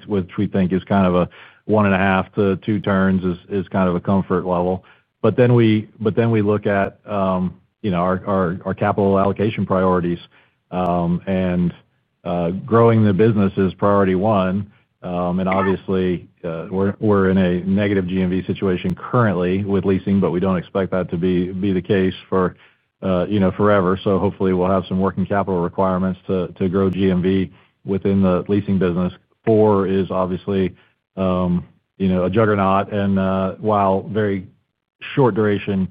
Speaker 4: think is kind of a one and a half to two turns is kind of a comfort level. We look at our capital allocation priorities, and growing the business is priority one. Obviously, we're in a negative GMV situation currently with leasing, but we don't expect that to be the case forever. Hopefully, we'll have some working capital requirements to grow GMV within the leasing business. Four is obviously a juggernaut, and while very short-duration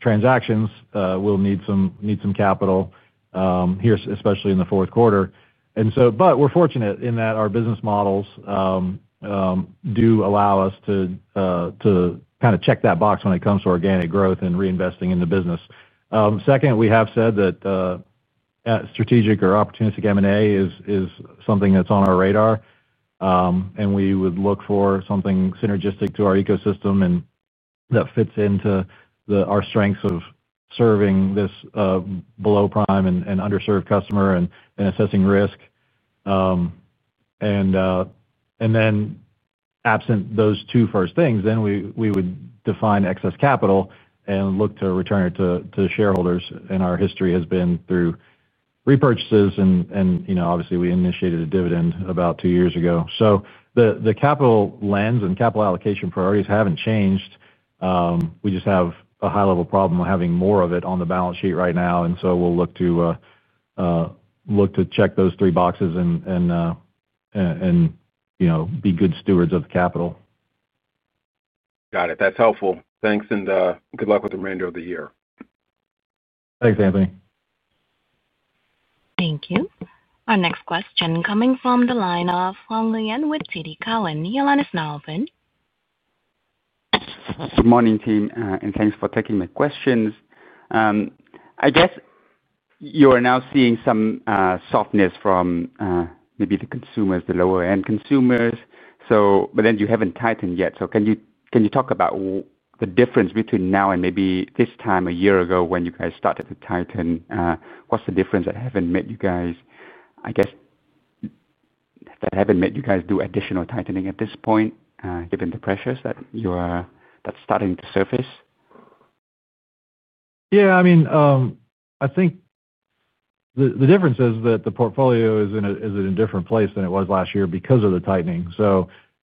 Speaker 4: transactions, we'll need some capital here, especially in the fourth quarter. We're fortunate in that our business models do allow us to check that box when it comes to organic growth and reinvesting in the business. Second, we have said that strategic or opportunistic M&A is something that's on our radar, and we would look for something synergistic to our ecosystem that fits into our strengths of serving this below-prime and underserved customer and assessing risk. Absent those two first things, then we would define excess capital and look to return it to shareholders. Our history has been through repurchases, and obviously, we initiated a dividend about two years ago. The capital lens and capital allocation priorities haven't changed. We just have a high-level problem having more of it on the balance sheet right now. We'll look to check those three boxes and be good stewards of the capital.
Speaker 7: Got it. That's helpful. Thanks, and good luck with the remainder of the year.
Speaker 4: Thanks, Anthony.
Speaker 1: Thank you. Our next question coming from the line of Hoang Nguyen with TD Cowen. Your line is now open.
Speaker 8: Good morning, team, and thanks for taking the questions. I guess you are now seeing some softness from maybe the consumers, the lower-end consumers. You haven't tightened yet. Can you talk about the difference between now and maybe this time a year ago when you guys started to tighten? What's the difference that hasn't made you guys do additional tightening at this point, given the pressures that you are starting to surface?
Speaker 3: Yeah, I mean, I think the difference is that the portfolio is in a different place than it was last year because of the tightening.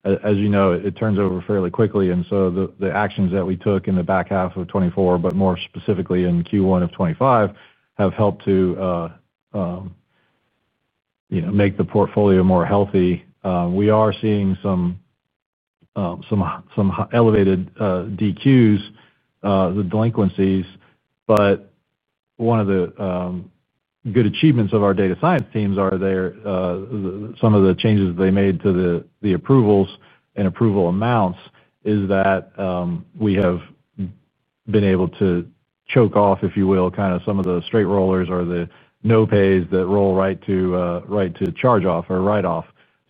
Speaker 3: As you know, it turns over fairly quickly, and the actions that we took in the back half of 2024, but more specifically in Q1 of 2025, have helped to make the portfolio more healthy. We are seeing some elevated DQs, the delinquencies. One of the good achievements of our data science teams is some of the changes that they made to the approvals and approval amounts. We have been able to choke off, if you will, kind of some of the straight rollers or the no-pays that roll right to charge off or write-off.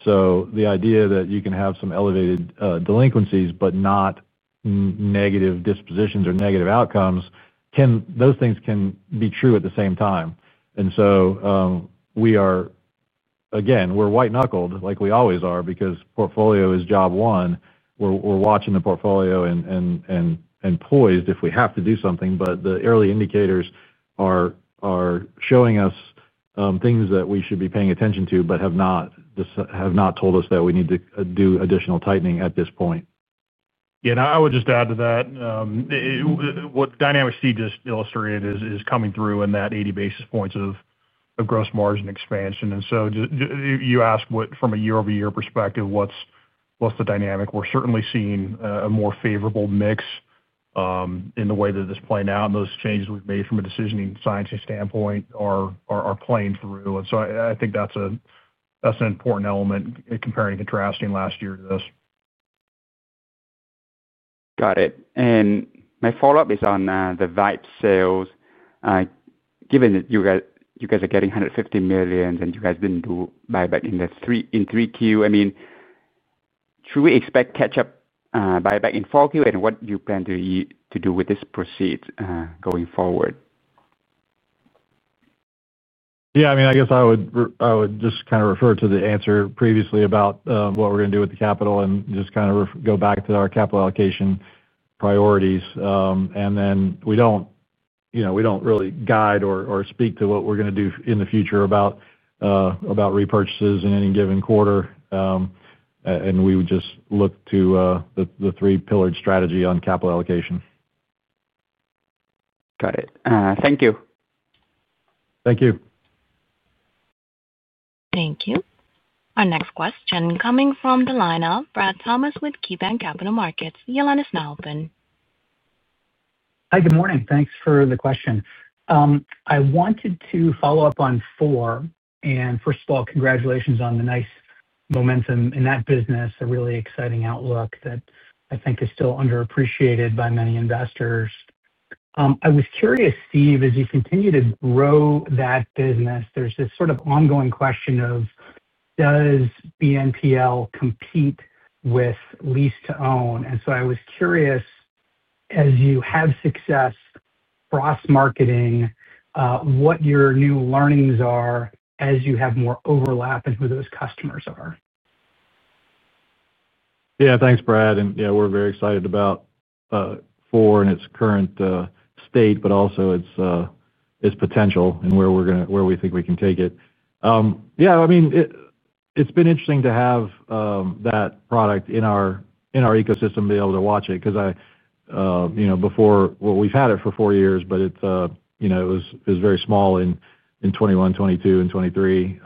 Speaker 3: The idea that you can have some elevated delinquencies but not negative dispositions or negative outcomes, those things can be true at the same time. We are, again, we're white-knuckled like we always are because portfolio is job one. We're watching the portfolio and poised if we have to do something. The early indicators are showing us things that we should be paying attention to but have not told us that we need to do additional tightening at this point. Yeah.
Speaker 4: I would just add to that. What dynamic seed just illustrated is coming through in that 80 basis points of gross margin expansion. You asked from a year-over-year perspective, what's the dynamic? We're certainly seeing a more favorable mix in the way that it's playing out. Those changes we've made from a decisioning science standpoint are playing through. I think that's an important element comparing and contrasting last year to this.
Speaker 8: Got it. My follow-up is on the Vive sales. Given that you guys are getting $150 million and you guys didn't do buyback in the 3Q, should we expect catch-up buyback in 4Q? What do you plan to do with this proceed going forward?
Speaker 3: Yeah, I mean, I guess I would just kind of refer to the answer previously about what we're going to do with the capital and just kind of go back to our capital allocation priorities. We don't really guide or speak to what we're going to do in the future about repurchases in any given quarter. We would just look to the three-pillared strategy on capital allocation.
Speaker 8: Got it. Thank you.
Speaker 3: Thank you.
Speaker 1: Thank you. Our next question coming from the line of Brad Thomas with KeyBanc Capital Markets. Your line is now open.
Speaker 9: Hi, good morning. Thanks for the question. I wanted to follow up on Four. First of all, congratulations on the nice momentum in that business, a really exciting outlook that I think is still underappreciated by many investors. I was curious, Steve, as you continue to grow that business, there's this sort of ongoing question of does BNPL compete with lease-to-own? I was curious, as you have success cross-marketing, what your new learnings are as you have more overlap and who those customers are.
Speaker 3: Yeah, thanks, Brad. Yeah, we're very excited about Four and its current state, but also its potential and where we think we can take it. I mean, it's been interesting to have that product in our ecosystem, to be able to watch it because I, you know, before, we've had it for four years, but it's, you know, it was very small in 2021, 2022, and 2023.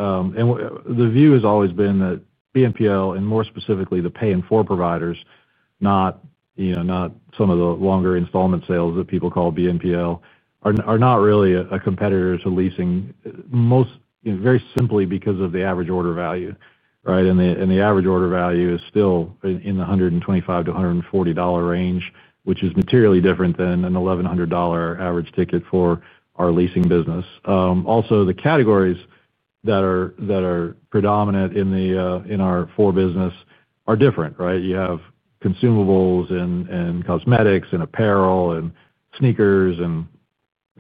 Speaker 3: The view has always been that BNPL, and more specifically the pay-in-four providers, not some of the longer installment sales that people call BNPL, are not really a competitor to leasing, most, you know, very simply because of the average order value, right? The average order value is still in the $125-$140 range, which is materially different than an $1,100 average ticket for our leasing business. Also, the categories that are predominant in our Four business are different, right? You have consumables and cosmetics and apparel and sneakers, and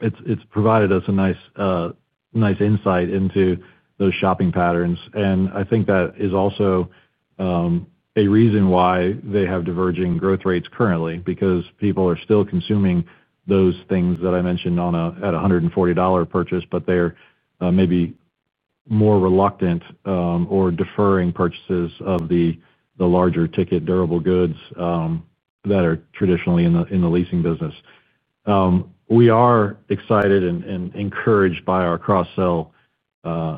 Speaker 3: it's provided us a nice insight into those shopping patterns. I think that is also a reason why they have diverging growth rates currently because people are still consuming those things that I mentioned at a $140 purchase, but they're maybe more reluctant or deferring purchases of the larger ticket durable goods that are traditionally in the leasing business. We are excited and encouraged by our cross-sell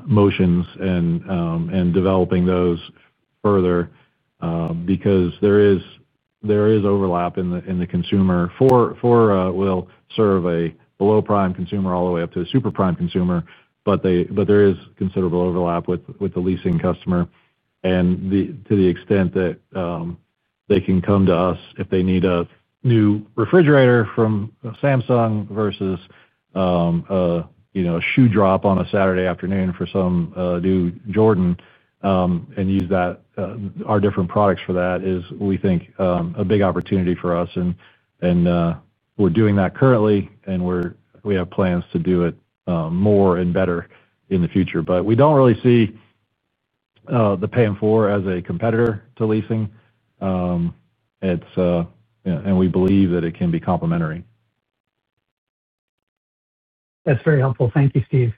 Speaker 3: motions and developing those further because there is overlap in the consumer. Four will serve a below-prime consumer all the way up to a super-prime consumer, but there is considerable overlap with the leasing customer. To the extent that they can come to us if they need a new refrigerator from Samsung versus a shoe drop on a Saturday afternoon for some new Jordan and use our different products for that is, we think, a big opportunity for us. We're doing that currently, and we have plans to do it more and better in the future. We don't really see the pay-in-four as a competitor to leasing. We believe that it can be complementary.
Speaker 9: That's very helpful. Thank you, Steve.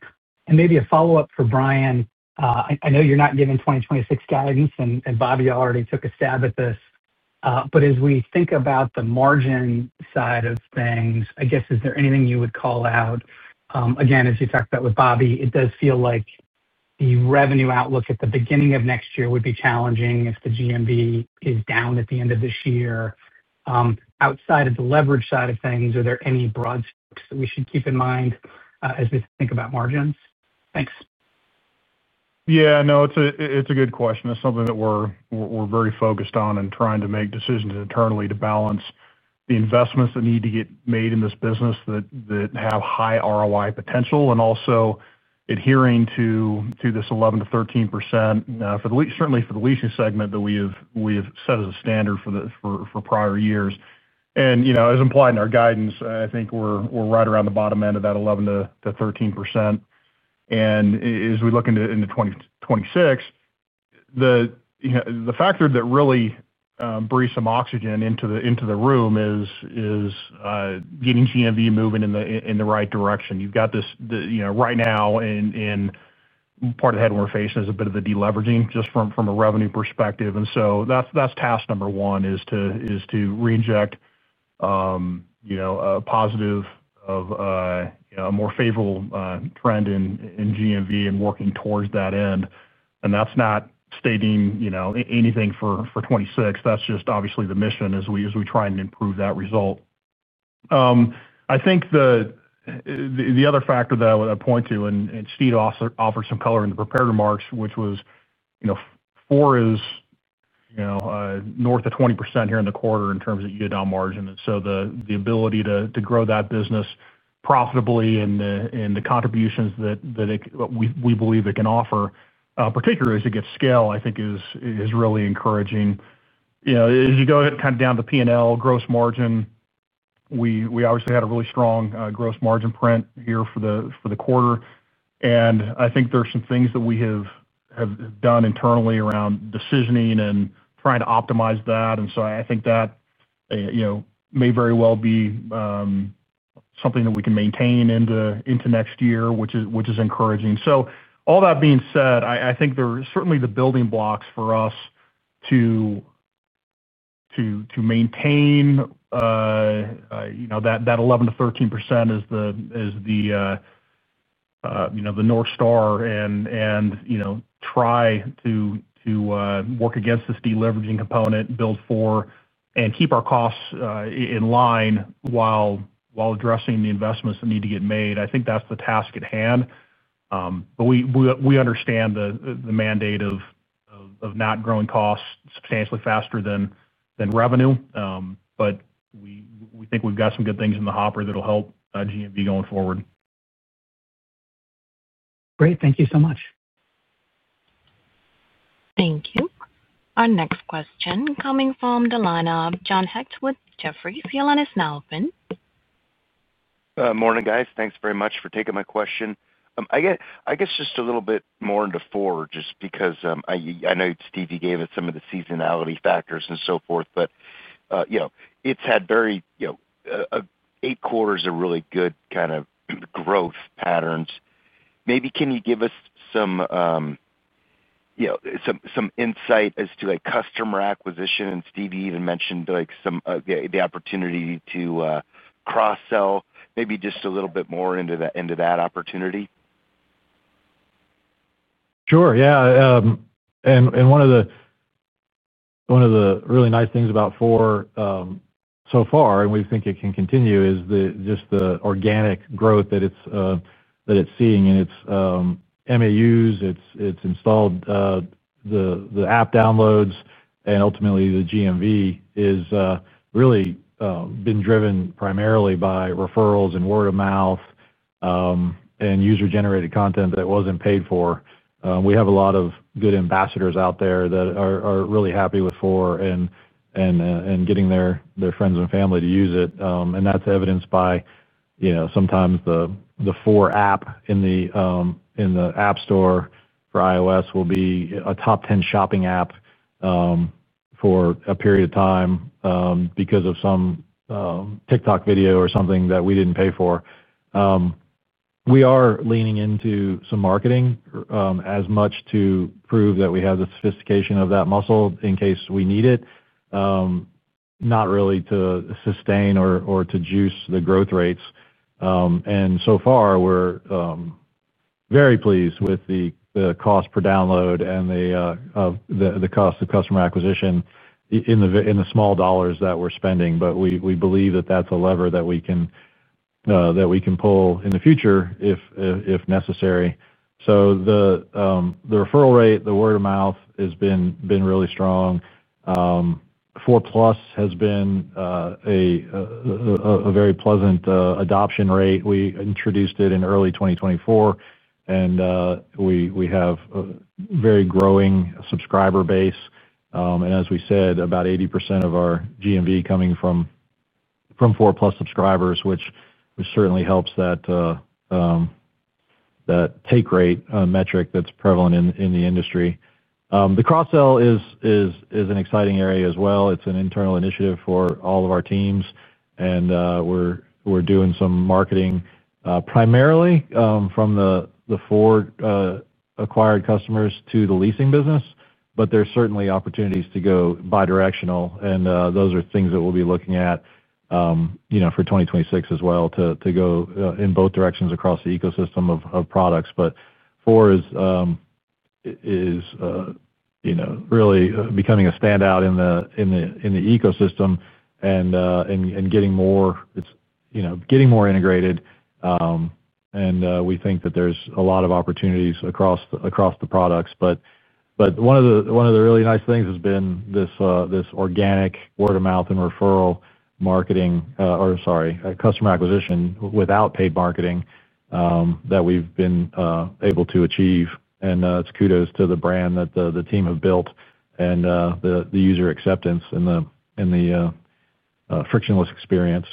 Speaker 9: Maybe a follow-up for Brian. I know you're not giving 2026 guidance, and Bobby already took a stab at this. As we think about the margin side of things, is there anything you would call out? Again, as you talked about with Bobby, it does feel like the revenue outlook at the beginning of next year would be challenging if the GMV is down at the end of this year. Outside of the leverage side of things, are there any broad scopes that we should keep in mind as we think about margins? Thanks.
Speaker 4: Yeah, no, it's a good question. It's something that we're very focused on and trying to make decisions internally to balance the investments that need to get made in this business that have high ROI potential and also adhering to this 11%-13%, certainly for the leasing segment that we have set as a standard for prior years. As implied in our guidance, I think we're right around the bottom end of that 11%-13%. As we look into 2026, the factor that really breathes some oxygen into the room is getting GMV moving in the right direction. You've got this right now, and part of the head we're facing is a bit of the deleveraging just from a revenue perspective. That's task number one, to reinject a positive of a more favorable trend in GMV and working towards that end. That's not stating anything for 2026. That's obviously the mission as we try and improve that result. I think the other factor that I would point to, and Steve offered some color in the prepared remarks, which was, you know, Four is north of 20% here in the quarter in terms of EBITDA margin. The ability to grow that business profitably and the contributions that we believe it can offer, particularly as it gets scale, I think is really encouraging. As you go ahead kind of down the P&L gross margin, we obviously had a really strong gross margin print here for the quarter. I think there are some things that we have done internally around decisioning and trying to optimize that. I think that may very well be something that we can maintain into next year, which is encouraging. All that being said, I think there are certainly the building blocks for us to maintain that 11% ,13% as the North Star and try to work against this deleveraging component, build Four, and keep our costs in line while addressing the investments that need to get made. I think that's the task at hand. We understand the mandate of not growing costs substantially faster than revenue. We think we've got some good things in the hopper that'll help GMV going forward.
Speaker 9: Great. Thank you so much.
Speaker 1: Thank you. Our next question coming from the line of John Hecht with Jefferies. Your line is now open.
Speaker 10: Morning, guys. Thanks very much for taking my question. I guess just a little bit more into Four just because I know, Steve, you gave us some of the seasonality factors and so forth, but you know, it's had very, you know, eight quarters of really good kind of growth patterns. Maybe can you give us some, you know, some insight as to like customer acquisition? Steve, you even mentioned like some of the opportunity to cross-sell. Maybe just a little bit more into that opportunity.
Speaker 3: Sure. Yeah. One of the really nice things about Four so far, and we think it can continue, is just the organic growth that it's seeing in its MAUs, its installed app downloads, and ultimately the GMV has really been driven primarily by referrals and word of mouth and user-generated content that wasn't paid for. We have a lot of good ambassadors out there that are really happy with Four and getting their friends and family to use it. That's evidenced by, you know, sometimes the Four app in the App Store for iOS will be a top 10 shopping app for a period of time because of some TikTok video or something that we didn't pay for. We are leaning into some marketing as much to prove that we have the sophistication of that muscle in case we need it, not really to sustain or to juice the growth rates. So far, we're very pleased with the cost per download and the cost of customer acquisition in the small dollars that we're spending. We believe that that's a lever that we can pull in the future if necessary. The referral rate, the word of mouth has been really strong. Four plus has been a very pleasant adoption rate. We introduced it in early 2024, and we have a very growing subscriber base. As we said, about 80% of our GMV coming from Four plus subscribers, which certainly helps that take rate metric that's prevalent in the industry. The cross-sell is an exciting area as well. It's an internal initiative for all of our teams. We're doing some marketing primarily from the Four acquired customers to the leasing business. There are certainly opportunities to go bi-directional. Those are things that we'll be looking at, you know, for 2026 as well to go in both directions across the ecosystem of products. Four is really becoming a standout in the ecosystem and getting more integrated. We think that there's a lot of opportunities across the products. One of the really nice things has been this organic word of mouth and referral marketing, or customer acquisition without paid marketing that we've been able to achieve. It's kudos to the brand that the team have built and the user acceptance and the frictionless experience.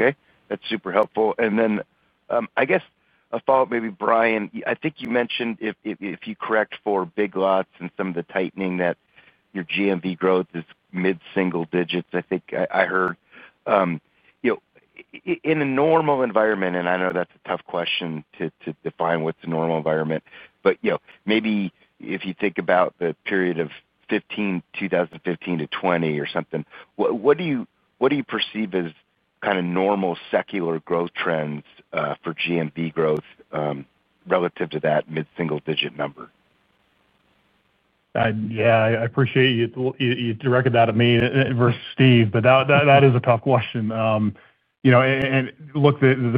Speaker 10: Okay. That's super helpful. I guess a follow-up maybe, Brian. I think you mentioned if you correct for Big Lots and some of the tightening that your GMV growth is mid-single digits. I think I heard, you know, in a normal environment, and I know that's a tough question to define what's a normal environment, but maybe if you think about the period of 2015, 2015 to 2020 or something, what do you perceive as kind of normal secular growth trends for GMV growth relative to that mid-single digit number?
Speaker 4: Yeah, I appreciate you directing that at me versus Steve, but that is a tough question. The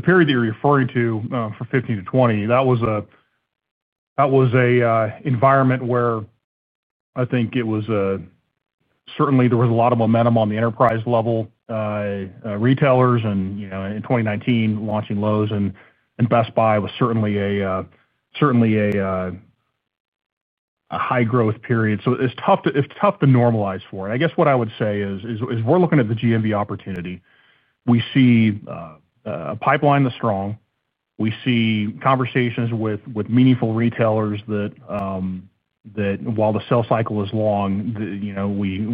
Speaker 4: period that you're referring to for 2015 to 2020, that was an environment where I think it was certainly there was a lot of momentum on the enterprise level, retailers, and in 2019 launching Lowe's and Best Buy was certainly a high-growth period. It's tough to normalize for it. I guess what I would say is we're looking at the GMV opportunity. We see a pipeline that's strong. We see conversations with meaningful retailers that while the sale cycle is long,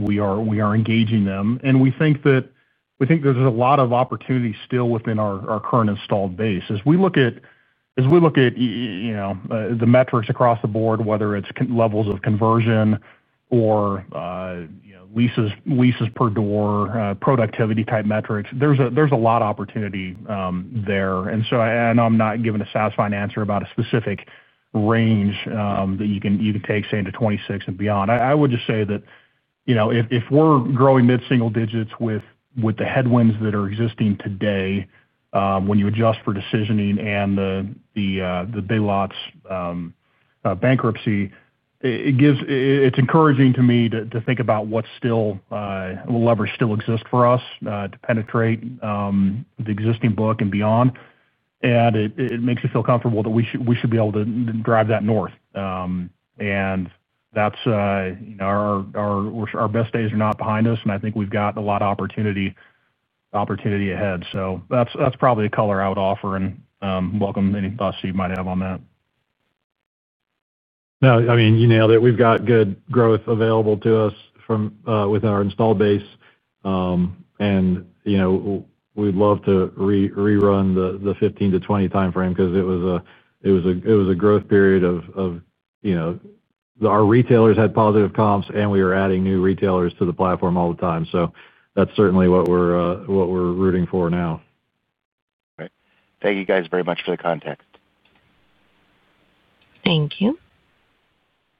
Speaker 4: we are engaging them. We think there's a lot of opportunity still within our current installed base. As we look at the metrics across the board, whether it's levels of conversion or leases per door, productivity type metrics, there's a lot of opportunity there. I'm not giving a satisfying answer about a specific range that you can take, say, into 2026 and beyond. I would just say that if we're growing mid-single digits with the headwinds that are existing today when you adjust for decisioning and the Big Lots bankruptcy, it's encouraging to me to think about what leverage still exists for us to penetrate the existing book and beyond. It makes me feel comfortable that we should be able to drive that north. Our best days are not behind us, and I think we've got a lot of opportunity ahead. That's probably a color I would offer and welcome any thoughts you might have on that.
Speaker 3: No, I mean, you nailed it. We've got good growth available to us within our installed base. We'd love to rerun the 2015 to 2020 timeframe because it was a growth period of our retailers had positive comps and we were adding new retailers to the platform all the time. That's certainly what we're rooting for now.
Speaker 10: All right. Thank you guys very much for the context.
Speaker 1: Thank you.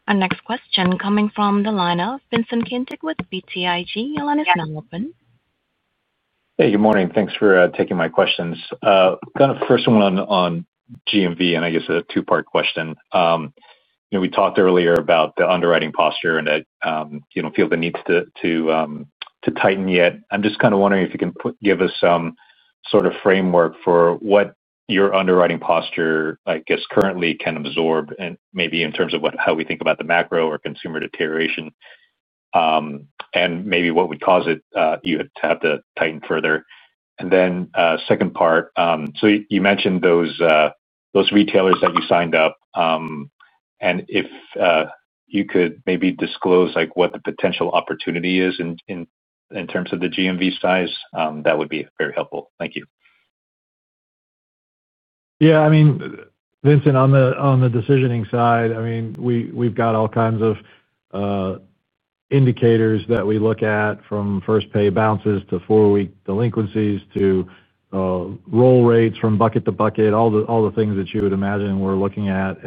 Speaker 1: Our next question coming from the line of Vincent Caintic with BTIG. Your line's now open.
Speaker 11: Hey, good morning. Thanks for taking my questions. First one on GMV, and I guess a two-part question. We talked earlier about the underwriting posture and that you don't feel the need to tighten yet. I'm just wondering if you can give us some sort of framework for what your underwriting posture currently can absorb and maybe in terms of how we think about the macro or consumer deterioration and maybe what would cause you to have to tighten further. Second part, you mentioned those retailers that you signed up. If you could maybe disclose what the potential opportunity is in terms of the GMV size, that would be very helpful. Thank you.
Speaker 3: Yeah, I mean, Vincent, on the decisioning side, we've got all kinds of indicators that we look at from first pay bounces to four-week delinquencies to roll rates from bucket to bucket, all the things that you would imagine we're looking at.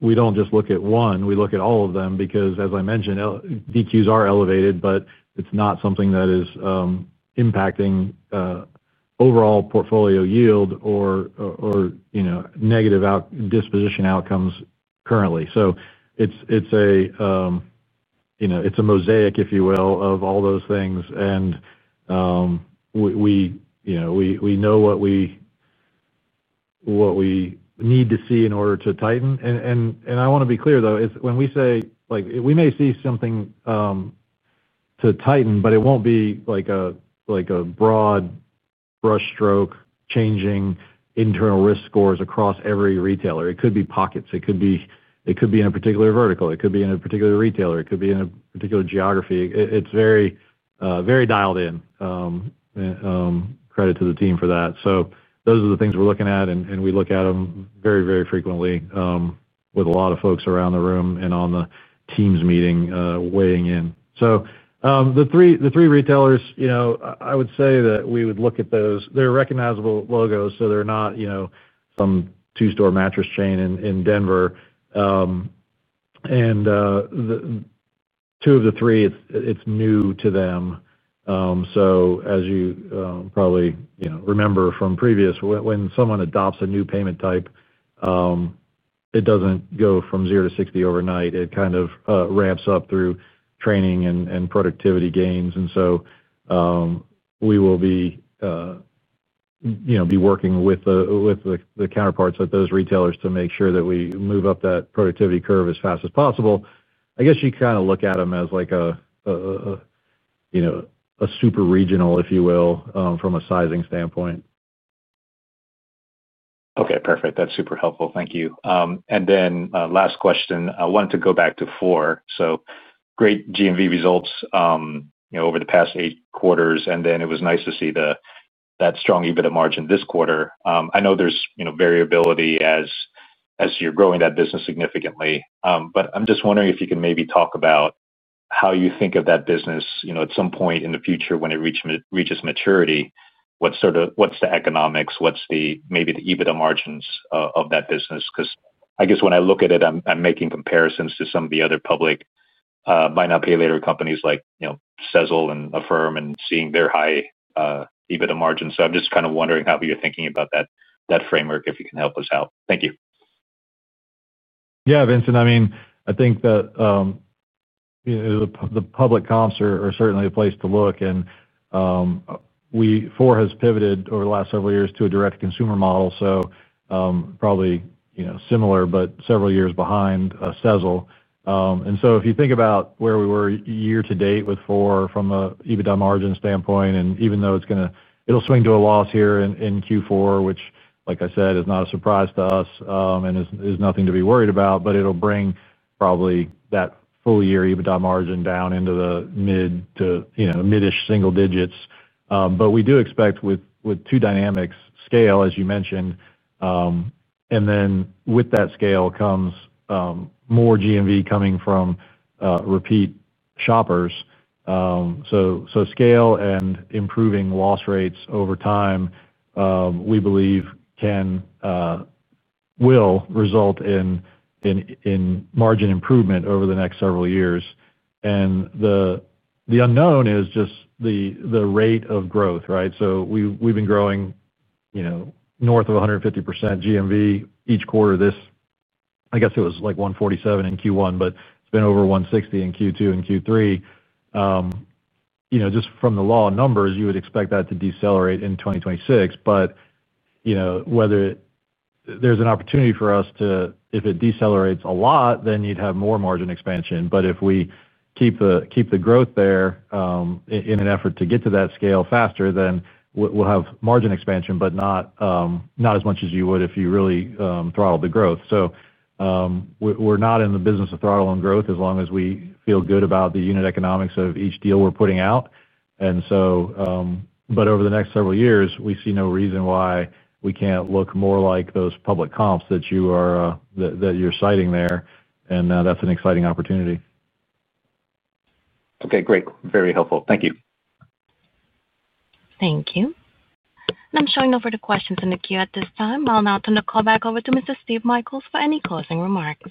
Speaker 3: We don't just look at one. We look at all of them because, as I mentioned, DQs are elevated, but it's not something that is impacting overall portfolio yield or negative disposition outcomes currently. It's a mosaic, if you will, of all those things. We know what we need to see in order to tighten. I want to be clear, though, when we say we may see something to tighten, it won't be like a broad brushstroke changing internal risk scores across every retailer. It could be pockets. It could be in a particular vertical. It could be in a particular retailer. It could be in a particular geography. It's very, very dialed in. Credit to the team for that. Those are the things we're looking at, and we look at them very, very frequently with a lot of folks around the room and on the Teams meeting weighing in. The three retailers, I would say that we would look at those. They're recognizable logos, so they're not some two-store mattress chain in Denver. Two of the three, it's new to them. As you probably remember from previous, when someone adopts a new payment type, it doesn't go from zero to 60 overnight. It kind of ramps up through training and productivity gains. We will be working with the counterparts at those retailers to make sure that we move up that productivity curve as fast as possible. I guess you kind of look at them as like a super regional, if you will, from a sizing standpoint.
Speaker 11: Okay, perfect. That's super helpful. Thank you. Last question. I wanted to go back to Four Great GMV results over the past eight quarters, and it was nice to see that strong EBITDA margin this quarter. I know there's variability as you're growing that business significantly. I'm just wondering if you can maybe talk about how you think of that business at some point in the future when it reaches maturity, what's the economics, what's maybe the EBITDA margins of that business? I guess when I look at it, I'm making comparisons to some of the other public BNPL companies like, you know, Sezzle and Affirm and seeing their high EBITDA margins. I'm just—I'm Wondering how you're thinking about that framework, if you can help us out. Thank you.
Speaker 3: Yeah, Vincent, I mean, I think that, you know, the public comps are certainly a place to look. Four has pivoted over the last several years to a direct-to-consumer model, so probably, you know, similar but several years behind, Cecile. If you think about where we were year-to-date with Four from an EBITDA margin standpoint, even though it's going to swing to a loss here in Q4, which, like I said, is not a surprise to us and is nothing to be worried about, it'll bring probably that full-year EBITDA margin down into the mid to, you know, mid-ish single digits. We do expect with two dynamics, scale, as you mentioned, and then with that scale comes more GMV coming from repeat shoppers. Scale and improving loss rates over time, we believe, will result in margin improvement over the next several years. The unknown is just the rate of growth, right? We've been growing, you know, north of 150% GMV each quarter this year. I guess it was like 147% in Q1, but it's been over 160% in Q2 and Q3. Just from the law of numbers, you would expect that to decelerate in 2026. Whether there's an opportunity for us to, if it decelerates a lot, then you'd have more margin expansion. If we keep the growth there in an effort to get to that scale faster, then we'll have margin expansion, but not as much as you would if you really throttled the growth. We're not in the business of throttling growth as long as we feel good about the unit economics of each deal we're putting out. Over the next several years, we see no reason why we can't look more like those public comps that you're citing there. That's an exciting opportunity.
Speaker 11: Okay. Great. Very helpful. Thank you.
Speaker 1: Thank you. I'm showing over to questions in the queue at this time. I'll now turn the call back over to Mr. Steve Michaels for any closing remarks.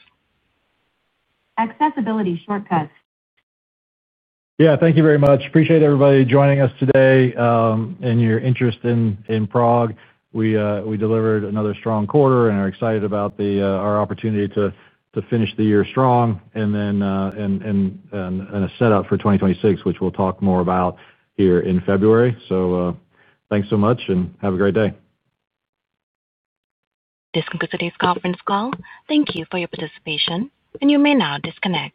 Speaker 1: Accessibility shortcuts.
Speaker 3: Thank you very much. Appreciate everybody joining us today, and your interest in PROG. We delivered another strong quarter and are excited about our opportunity to finish the year strong and a setup for 2026, which we'll talk more about here in February. Thanks so much and have a great day.
Speaker 1: This concludes today's conference call. Thank you for your participation, and you may now disconnect.